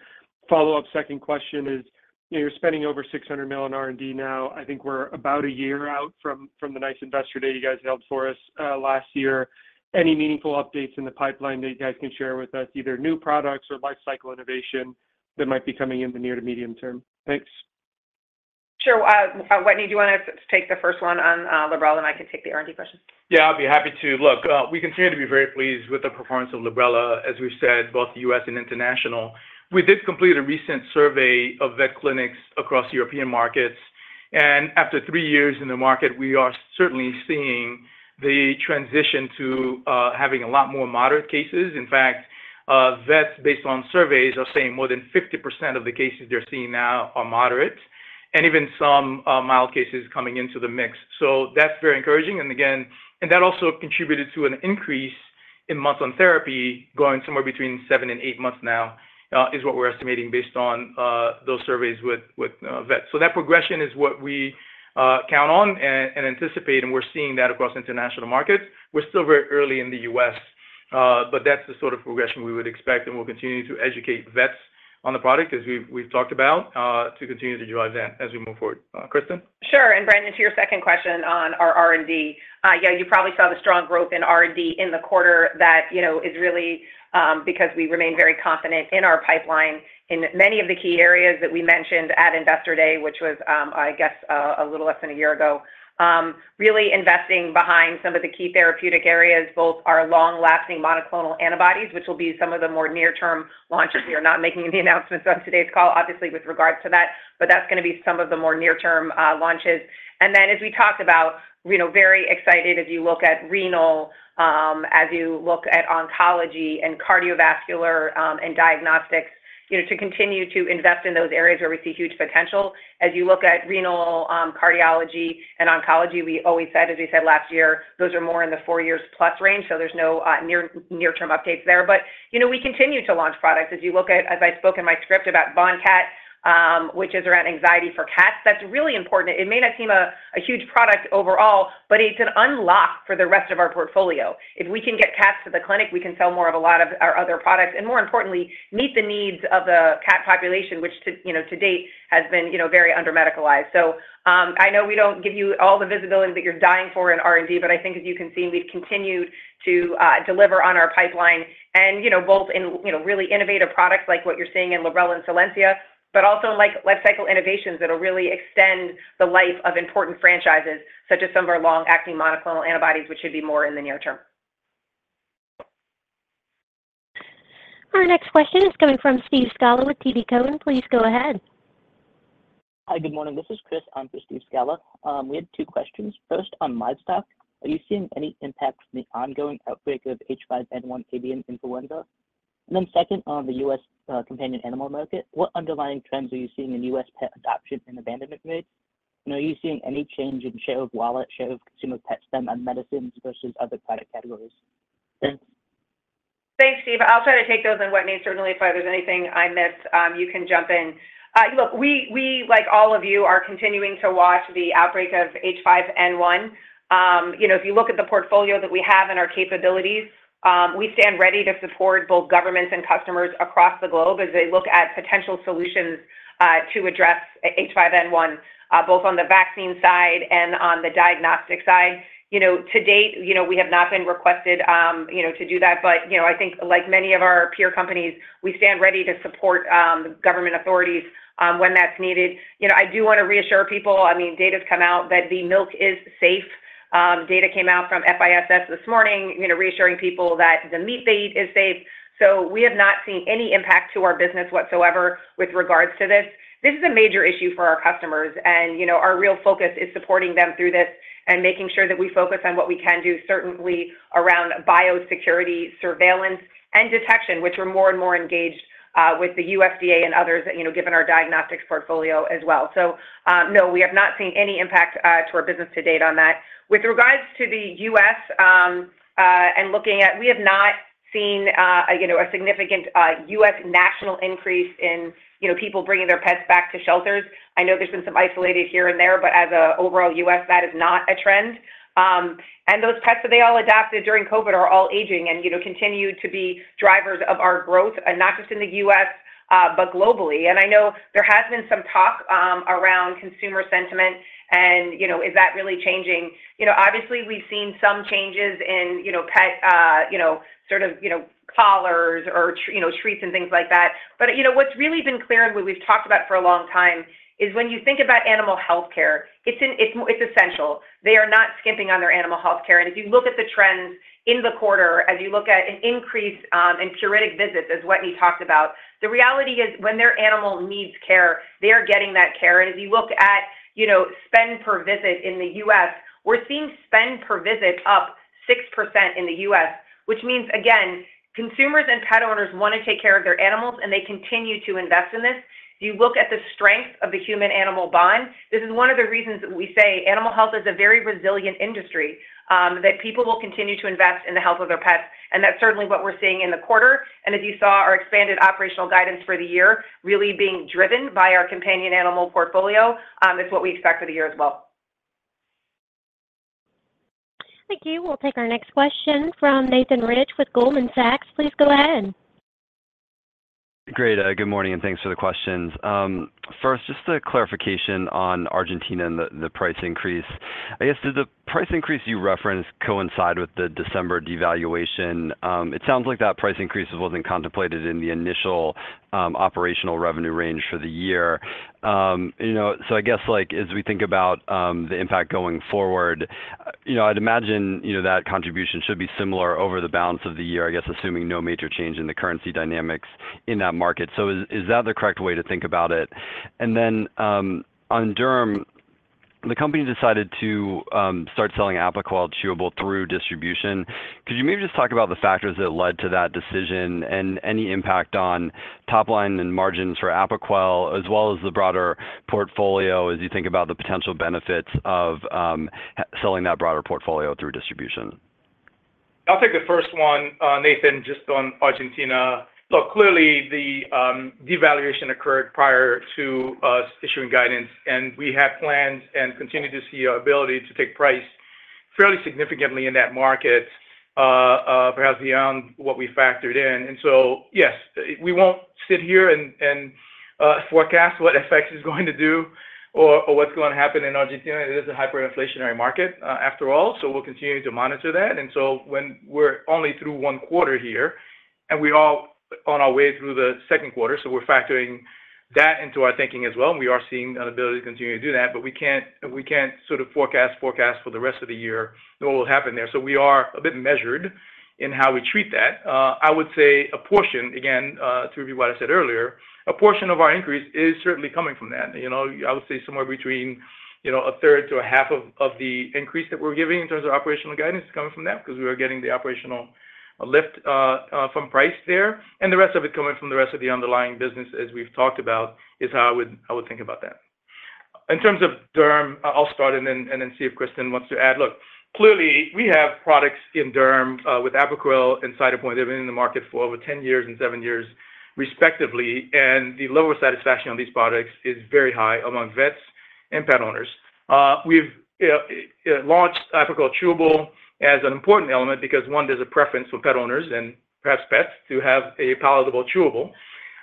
Follow-up second question is, you're spending over $600 million R&D now. I think we're about a year out from the nice investor day you guys held for us last year. Any meaningful updates in the pipeline that you guys can share with us, either new products or lifecycle innovation that might be coming in the near to medium term? Thanks. Sure. Wetteny, do you want to take the first one on Librela, and I can take the R&D questions? Yeah, I'll be happy to. Look, we continue to be very pleased with the performance of Librela, as we've said, both U.S. and international. We did complete a recent survey of vet clinics across European markets. And after three years in the market, we are certainly seeing the transition to having a lot more moderate cases. In fact, vets, based on surveys, are saying more than 50% of the cases they're seeing now are moderate and even some mild cases coming into the mix. So that's very encouraging. And again, and that also contributed to an increase in months on therapy, going somewhere between seven and eight months now is what we're estimating based on those surveys with vets. So that progression is what we count on and anticipate. And we're seeing that across international markets. We're still very early in the U.S., but that's the sort of progression we would expect. We'll continue to educate vets on the product, as we've talked about, to continue to drive that as we move forward. Kristin? Sure. And Brandon, to your second question on our R&D, yeah, you probably saw the strong growth in R&D in the quarter. That is really because we remain very confident in our pipeline in many of the key areas that we mentioned at investor day, which was, I guess, a little less than a year ago, really investing behind some of the key therapeutic areas, both our long-lasting monoclonal antibodies, which will be some of the more near-term launches. We are not making any announcements on today's call, obviously, with regards to that. But that's going to be some of the more near-term launches. And then, as we talked about, very excited as you look at renal, as you look at oncology and cardiovascular and diagnostics, to continue to invest in those areas where we see huge potential. As you look at renal, cardiology, and oncology, we always said, as we said last year, those are more in the four-year-plus range. So there's no near-term updates there. But we continue to launch products. As you look at, as I spoke in my script about Bonqat, which is around anxiety for cats, that's really important. It may not seem a huge product overall, but it's an unlock for the rest of our portfolio. If we can get cats to the clinic, we can sell more of a lot of our other products and, more importantly, meet the needs of the cat population, which to date has been very under-medicalized. So I know we don't give you all the visibility that you're dying for in R&D, but I think as you can see, we've continued to deliver on our pipeline, and both in really innovative products like what you're seeing in Librela and Solensia, but also in lifecycle innovations that will really extend the life of important franchises, such as some of our long-acting monoclonal antibodies, which should be more in the near term. Our next question is coming from Steve Scala with TD Cowen. Please go ahead. Hi. Good morning. This is Chris. I'm for Steve Scala. We had two questions. First, on livestock, are you seeing any impact from the ongoing outbreak of H5N1 avian influenza? And then second, on the U.S. companion animal market, what underlying trends are you seeing in U.S. pet adoption and abandonment rates? Are you seeing any change in share of wallet, share of consumer pet spend on medicines versus other product categories? Thanks. Thanks, Steve. I'll try to take those on, Wetteny. Certainly, if there's anything I missed, you can jump in. Look, we, like all of you, are continuing to watch the outbreak of H5N1. If you look at the portfolio that we have and our capabilities, we stand ready to support both governments and customers across the globe as they look at potential solutions to address H5N1, both on the vaccine side and on the diagnostic side. To date, we have not been requested to do that. But I think, like many of our peer companies, we stand ready to support government authorities when that's needed. I do want to reassure people. I mean, data's come out that the milk is safe. Data came out from FSIS this morning, reassuring people that the meat they eat is safe. So we have not seen any impact to our business whatsoever with regards to this. This is a major issue for our customers. Our real focus is supporting them through this and making sure that we focus on what we can do, certainly around biosecurity surveillance and detection, which we're more and more engaged with the U.S.DA and others, given our diagnostics portfolio as well. So no, we have not seen any impact to our business to date on that. With regards to the U.S. and looking at, we have not seen a significant U.S. national increase in people bringing their pets back to shelters. I know there's been some isolated here and there, but as an overall U.S., that is not a trend. Those pets, they all adapted during COVID, are all aging and continue to be drivers of our growth, not just in the U.S., but globally. I know there has been some talk around consumer sentiment and is that really changing? Obviously, we've seen some changes in pet sort of collars or treats and things like that. But what's really been clear, and what we've talked about for a long time, is when you think about animal healthcare, it's essential. They are not skimping on their animal healthcare. If you look at the trends in the quarter, as you look at an increase in curated visits, as Wetteny talked about, the reality is when their animal needs care, they are getting that care. As you look at spend per visit in the U.S., we're seeing spend per visit up 6% in the U.S., which means, again, consumers and pet owners want to take care of their animals, and they continue to invest in this. If you look at the strength of the human-animal bond, this is one of the reasons that we say animal health is a very resilient industry, that people will continue to invest in the health of their pets. And that's certainly what we're seeing in the quarter. And as you saw, our expanded operational guidance for the year really being driven by our companion animal portfolio is what we expect for the year as well. Thank you. We'll take our next question from Nathan Rich with Goldman Sachs. Please go ahead. Great. Good morning, and thanks for the questions. First, just a clarification on Argentina and the price increase. I guess, did the price increase you referenced coincide with the December devaluation? It sounds like that price increase wasn't contemplated in the initial operational revenue range for the year. So I guess, as we think about the impact going forward, I'd imagine that contribution should be similar over the balance of the year, I guess, assuming no major change in the currency dynamics in that market. So is that the correct way to think about it? And then on Derm, the company decided to start selling Apoquel chewable through distribution. Could you maybe just talk about the factors that led to that decision and any impact on top line and margins for Apoquel, as well as the broader portfolio, as you think about the potential benefits of selling that broader portfolio through distribution? I'll take the first one, Nathan, just on Argentina. Look, clearly, the devaluation occurred prior to us issuing guidance. And we have plans and continue to see our ability to take price fairly significantly in that market, perhaps beyond what we factored in. And so yes, we won't sit here and forecast what FX is going to do or what's going to happen in Argentina. It is a hyperinflationary market after all. So we'll continue to monitor that. And so we're only through one quarter here, and we're all on our way through the second quarter. So we're factoring that into our thinking as well. And we are seeing an ability to continue to do that. But we can't sort of forecast, forecast for the rest of the year nor what will happen there. So we are a bit measured in how we treat that. I would say a portion, again, to review what I said earlier, a portion of our increase is certainly coming from that. I would say somewhere between a third to a half of the increase that we're giving in terms of operational guidance is coming from that because we are getting the operational lift from price there. The rest of it coming from the rest of the underlying business, as we've talked about, is how I would think about that. In terms of Derm, I'll start and then see if Kristin wants to add. Look, clearly, we have products in Derm with Apoquel and Cytopoint. They've been in the market for over 10 years and seven years, respectively. The level of satisfaction on these products is very high among vets and pet owners. We've launched Apoquel Chewable as an important element because, one, there's a preference for pet owners and perhaps pets to have a palatable chewable.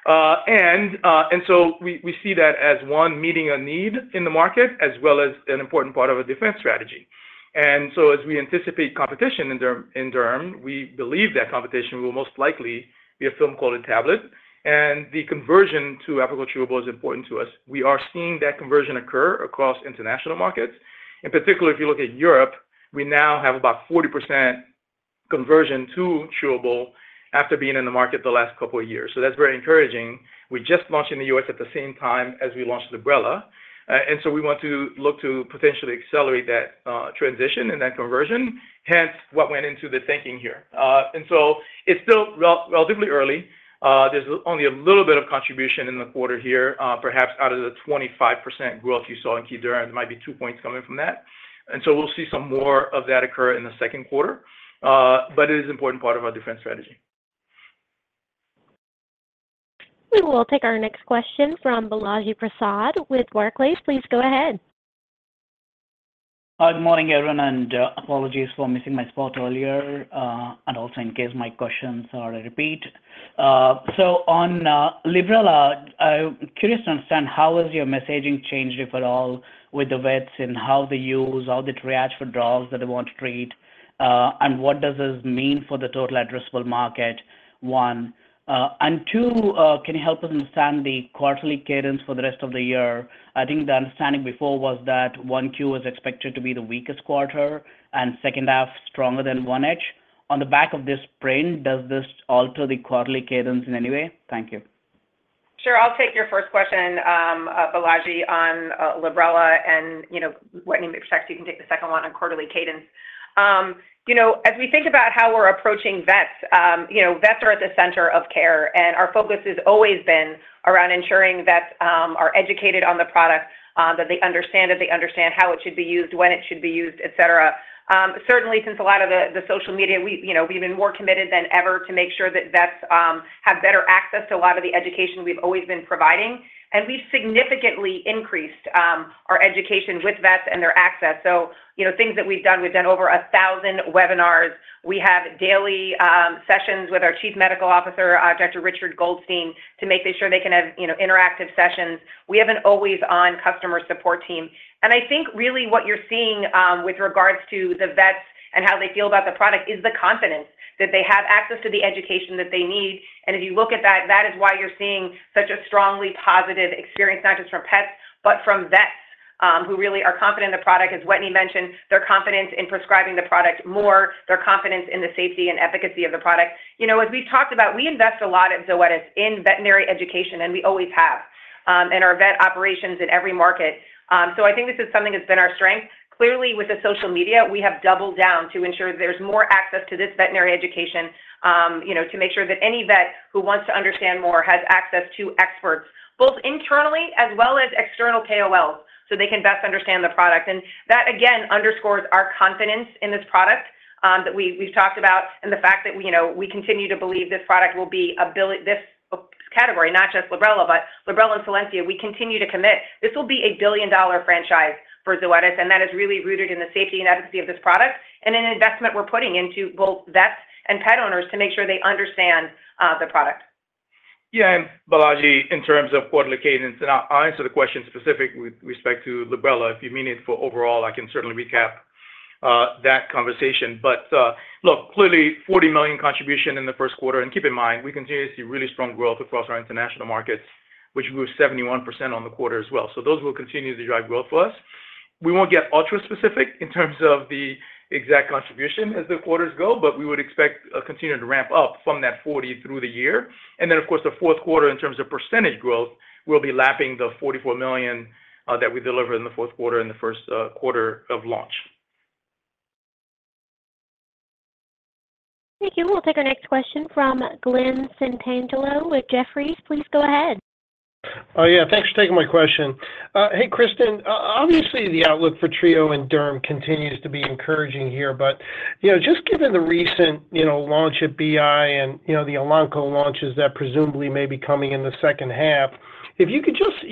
And so we see that as, one, meeting a need in the market, as well as an important part of a defense strategy. And so as we anticipate competition in Derm, we believe that competition will most likely be a film-coated tablet. And the conversion to Apoquel Chewable is important to us. We are seeing that conversion occur across international markets. In particular, if you look at Europe, we now have about 40% conversion to chewable after being in the market the last couple of years. So that's very encouraging. We just launched in the U.S. at the same time as we launched Librela. And so we want to look to potentially accelerate that transition and that conversion, hence what went into the thinking here. It's still relatively early. There's only a little bit of contribution in the quarter here, perhaps out of the 25% growth you saw in Key Derm. There might be two points coming from that. We'll see some more of that occur in the second quarter. It is an important part of our defense strategy. We will take our next question from Balaji Prasad with Barclays. Please go ahead. Good morning, everyone. Apologies for missing my spot earlier. Also in case my questions are a repeat. On Librela, I'm curious to understand how has your messaging changed, if at all, with the vets and how they use, how they triage for dogs that they want to treat, and what does this mean for the total addressable market, one. Two, can you help us understand the quarterly cadence for the rest of the year? I think the understanding before was that 1Q was expected to be the weakest quarter and second half stronger than 1H. On the back of this print, does this alter the quarterly cadence in any way? Thank you. Sure. I'll take your first question, Balaji, on Librela. And Wetteny, maybe perhaps you can take the second one on quarterly cadence. As we think about how we're approaching vets, vets are at the center of care. And our focus has always been around ensuring vets are educated on the product, that they understand it, they understand how it should be used, when it should be used, etc. Certainly, since a lot of the social media, we've been more committed than ever to make sure that vets have better access to a lot of the education we've always been providing. And we've significantly increased our education with vets and their access. So things that we've done, we've done over 1,000 webinars. We have daily sessions with our Chief Medical Officer, Dr. Richard Goldstein, to make sure they can have interactive sessions. We have an always-on customer support team. I think really what you're seeing with regards to the vets and how they feel about the product is the confidence that they have access to the education that they need. If you look at that, that is why you're seeing such a strongly positive experience, not just from pets, but from vets who really are confident in the product. As Wetteny mentioned, their confidence in prescribing the product more, their confidence in the safety and efficacy of the product. As we've talked about, we invest a lot at Zoetis in veterinary education, and we always have, in our vet operations in every market. I think this is something that's been our strength. Clearly, with the social media, we have doubled down to ensure that there's more access to this veterinary education, to make sure that any vet who wants to understand more has access to experts, both internally as well as external KOLs, so they can best understand the product. And that, again, underscores our confidence in this product that we've talked about and the fact that we continue to believe this product will be this category, not just Librela, but Librela and Solensia. We continue to commit, this will be a billion-dollar franchise for Zoetis. And that is really rooted in the safety and efficacy of this product and an investment we're putting into both vets and pet owners to make sure they understand the product. Yeah. And Balaji, in terms of quarterly cadence, and I'll answer the question specifically with respect to Librela. If you mean it for overall, I can certainly recap that conversation. But look, clearly, $40 million contribution in the first quarter. And keep in mind, we continue to see really strong growth across our international markets, which grew 71% on the quarter as well. So those will continue to drive growth for us. We won't get ultra-specific in terms of the exact contribution as the quarters go, but we would expect continuing to ramp up from that $40 million through the year. And then, of course, the fourth quarter, in terms of percentage growth, will be lapping the $44 million that we delivered in the fourth quarter and the first quarter of launch. Thank you. We'll take our next question from Glen Santangelo with Jefferies. Please go ahead. Yeah. Thanks for taking my question. Hey, Kristin, obviously, the outlook for Trio and Derm continues to be encouraging here. But just given the recent launch at BI and the Elanco launches that presumably may be coming in the second half, if you could just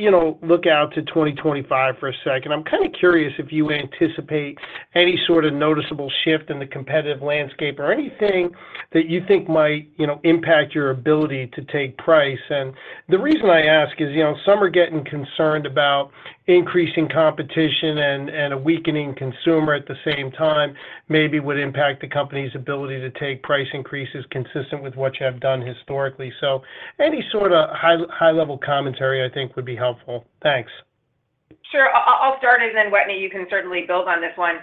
look out to 2025 for a second, I'm kind of curious if you anticipate any sort of noticeable shift in the competitive landscape or anything that you think might impact your ability to take price. And the reason I ask is some are getting concerned about increasing competition and a weakening consumer at the same time maybe would impact the company's ability to take price increases consistent with what you have done historically. So any sort of high-level commentary, I think, would be helpful. Thanks. Sure. I'll start, and then Wetteny, you can certainly build on this one.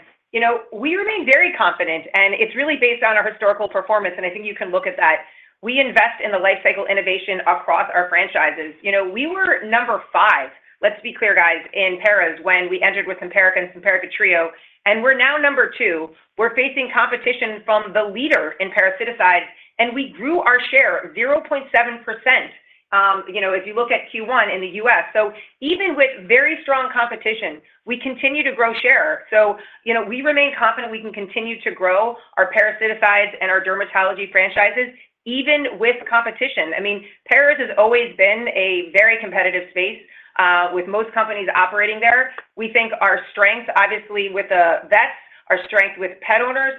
We remain very confident. It's really based on our historical performance. I think you can look at that. We invest in the lifecycle innovation across our franchises. We were number five, let's be clear, guys, in Paras when we entered with Simparica and Simparica Trio. We're now number two. We're facing competition from the leader in parasiticides. We grew our share 0.7% if you look at Q1 in the U.S. So even with very strong competition, we continue to grow share. So we remain confident we can continue to grow our parasiticides and our dermatology franchises even with competition. I mean, Paras has always been a very competitive space with most companies operating there. We think our strength, obviously, with the vets, our strength with pet owners,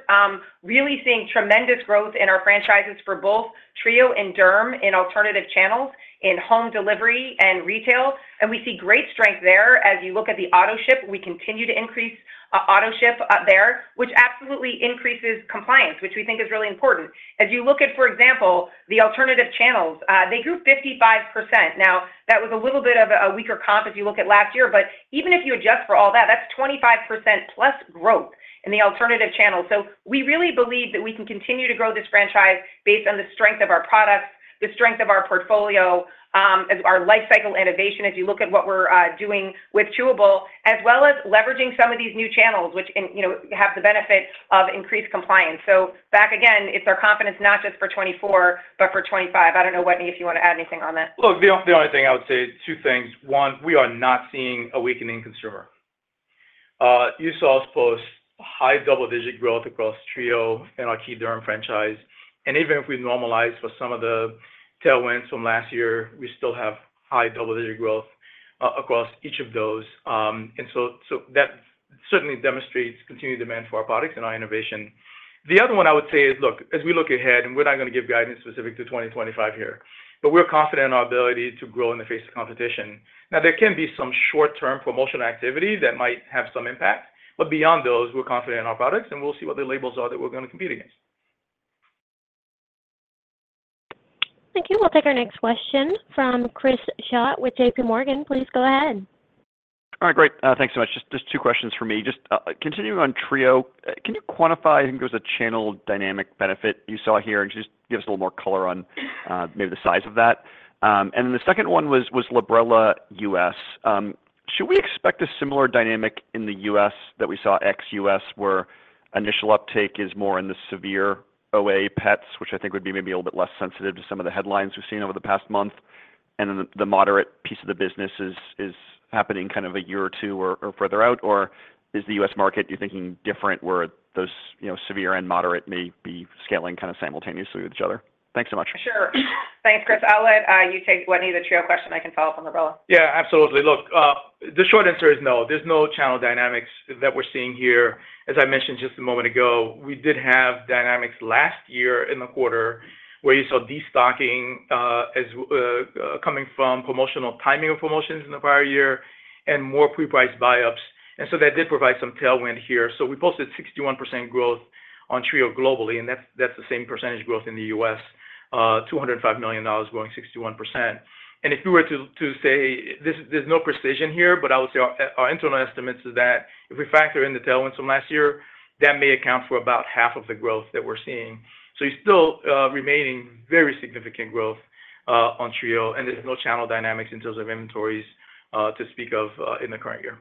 really seeing tremendous growth in our franchises for both Trio and Derm in alternative channels, in home delivery and retail. We see great strength there. As you look at the auto ship, we continue to increase auto ship there, which absolutely increases compliance, which we think is really important. As you look at, for example, the alternative channels, they grew 55%. Now, that was a little bit of a weaker comp if you look at last year. Even if you adjust for all that, that's 25%+ growth in the alternative channels. So we really believe that we can continue to grow this franchise based on the strength of our products, the strength of our portfolio, our lifecycle innovation, as you look at what we're doing with chewable, as well as leveraging some of these new channels, which have the benefit of increased compliance. So back again, it's our confidence, not just for 2024, but for 2025. I don't know, Wetteny, if you want to add anything on that. Look, the only thing I would say, two things. One, we are not seeing a weakening consumer. You saw us post high double-digit growth across Trio and our Key Derm franchise. And even if we normalize for some of the tailwinds from last year, we still have high double-digit growth across each of those. And so that certainly demonstrates continued demand for our products and our innovation. The other one I would say is, look, as we look ahead, and we're not going to give guidance specific to 2025 here, but we're confident in our ability to grow in the face of competition. Now, there can be some short-term promotional activity that might have some impact. But beyond those, we're confident in our products. And we'll see what the labels are that we're going to compete against. Thank you. We'll take our next question from Chris Schott with JPMorgan. Please go ahead. All right. Great. Thanks so much. Just two questions for me. Just continuing on Trio, can you quantify? I think there was a channel dynamic benefit you saw here. And could you just give us a little more color on maybe the size of that? And then the second one was Librela U.S. Should we expect a similar dynamic in the U.S. that we saw ex-U.S., where initial uptake is more in the severe OA pets, which I think would be maybe a little bit less sensitive to some of the headlines we've seen over the past month, and then the moderate piece of the business is happening kind of a year or two or further out? Or is the U.S. market, you're thinking, different where those severe and moderate may be scaling kind of simultaneously with each other? Thanks so much. Sure. Thanks, Chris. I'll let you take, Wetteny, the Trio question. I can follow up on Librela. Yeah. Absolutely. Look, the short answer is no. There's no channel dynamics that we're seeing here. As I mentioned just a moment ago, we did have dynamics last year in the quarter where you saw destocking coming from timing of promotions in the prior year and more pre-priced buyups. And so that did provide some tailwind here. So we posted 61% growth on Trio globally. And that's the same percentage growth in the U.S., $205 million growing 61%. And if you were to say there's no precision here, but I would say our internal estimates is that if we factor in the tailwinds from last year, that may account for about half of the growth that we're seeing. So you're still remaining very significant growth on Trio. And there's no channel dynamics in terms of inventories to speak of in the current year.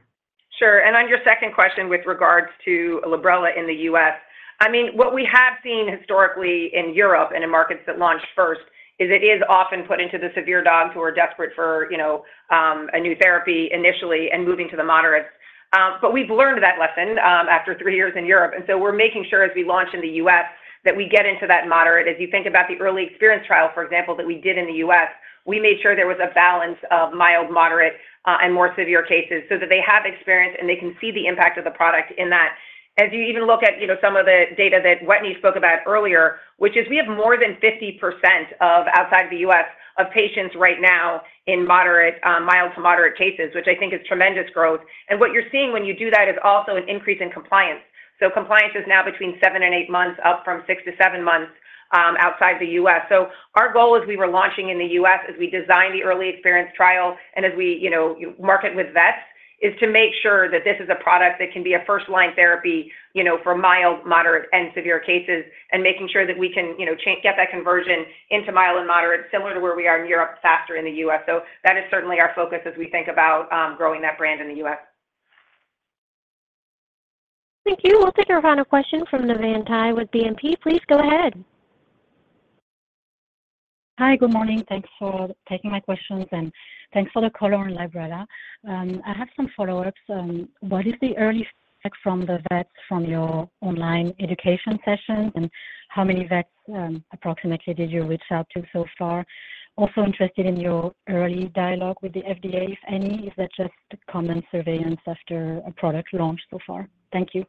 Sure. And on your second question with regards to Librela in the U.S., I mean, what we have seen historically in Europe and in markets that launched first is it is often put into the severe dogs who are desperate for a new therapy initially and moving to the moderates. But we've learned that lesson after three years in Europe. And so we're making sure, as we launch in the U.S., that we get into that moderate. As you think about the early experience trial, for example, that we did in the U.S., we made sure there was a balance of mild, moderate, and more severe cases so that they have experience and they can see the impact of the product in that. As you even look at some of the data that Wetteny spoke about earlier, which is we have more than 50% outside of the U.S. of patients right now in mild to moderate cases, which I think is tremendous growth. What you're seeing when you do that is also an increase in compliance. Compliance is now between seven and eight months, up from six to seven months outside the U.S. Our goal as we were launching in the U.S., as we designed the early experience trial and as we market with vets, is to make sure that this is a product that can be a first-line therapy for mild, moderate, and severe cases and making sure that we can get that conversion into mild and moderate, similar to where we are in Europe, faster in the U.S. That is certainly our focus as we think about growing that brand in the U.S. Thank you. We'll take our final question from Navann Ty with BNP Paribas. Please go ahead. Hi. Good morning. Thanks for taking my questions. Thanks for the call on Librela. I have some follow-ups. What is the early feedback from the vets from your online education sessions? And how many vets approximately did you reach out to so far? Also interested in your early dialogue with the FDA, if any. Is that just common surveillance after a product launched so far? Thank you.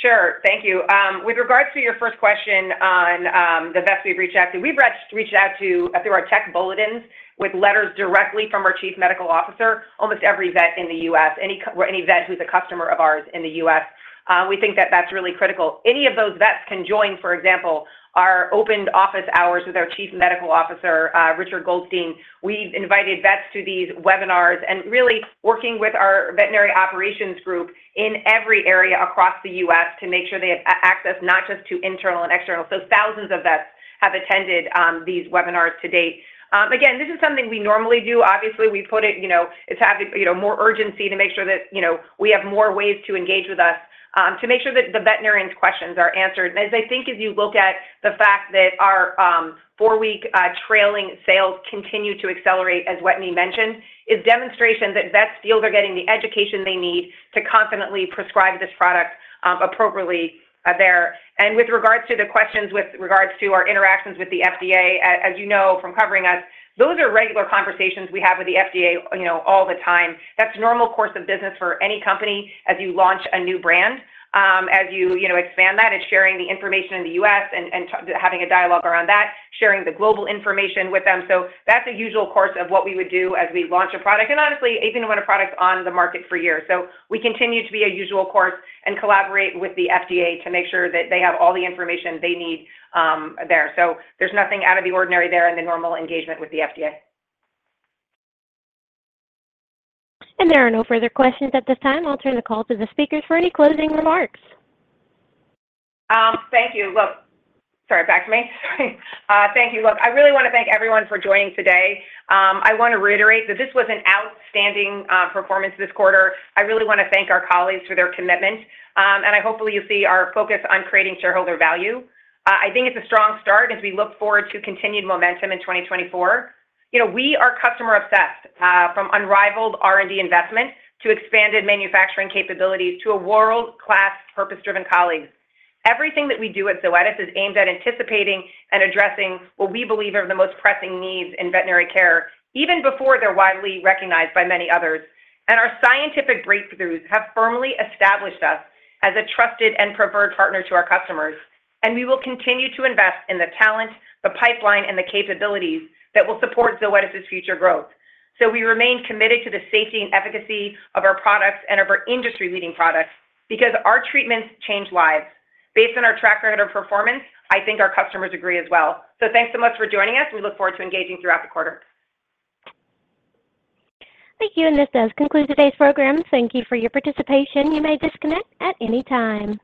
Sure. Thank you. With regards to your first question on the vets we've reached out to, we've reached out through our tech bulletins with letters directly from our Chief Medical Officer, almost every vet in the U.S., or any vet who's a customer of ours in the U.S. We think that that's really critical. Any of those vets can join, for example, our opened office hours with our Chief Medical Officer, Richard Goldstein. We've invited vets to these webinars and really working with our veterinary operations group in every area across the U.S. to make sure they have access not just to internal and external. So thousands of vets have attended these webinars to date. Again, this is something we normally do. Obviously, we put it it's having more urgency to make sure that we have more ways to engage with us, to make sure that the veterinarian's questions are answered. And as I think, as you look at the fact that our four-week trailing sales continue to accelerate, as Wetteny mentioned, is demonstration that vets feel they're getting the education they need to confidently prescribe this product appropriately there. And with regards to the questions with regards to our interactions with the FDA, as you know from covering us, those are regular conversations we have with the FDA all the time. That's a normal course of business for any company as you launch a new brand, as you expand that, is sharing the information in the U.S. and having a dialogue around that, sharing the global information with them. So that's a usual course of what we would do as we launch a product. And honestly, 81 of our products are on the market for years. So we continue to be a usual course and collaborate with the FDA to make sure that they have all the information they need there. So there's nothing out of the ordinary there in the normal engagement with the FDA. There are no further questions at this time. I'll turn the call to the speakers for any closing remarks. Thank you. Look, I really want to thank everyone for joining today. I want to reiterate that this was an outstanding performance this quarter. I really want to thank our colleagues for their commitment. Hopefully you'll see our focus on creating shareholder value. I think it's a strong start as we look forward to continued momentum in 2024. We are customer-obsessed from unrivaled R&D investment to expanded manufacturing capabilities to a world-class, purpose-driven colleague. Everything that we do at Zoetis is aimed at anticipating and addressing what we believe are the most pressing needs in veterinary care, even before they're widely recognized by many others. Our scientific breakthroughs have firmly established us as a trusted and preferred partner to our customers. We will continue to invest in the talent, the pipeline, and the capabilities that will support Zoetis's future growth. So we remain committed to the safety and efficacy of our products and of our industry-leading products because our treatments change lives. Based on our track record of performance, I think our customers agree as well. So thanks so much for joining us. We look forward to engaging throughout the quarter. Thank you. This does conclude today's program. Thank you for your participation. You may disconnect at any time.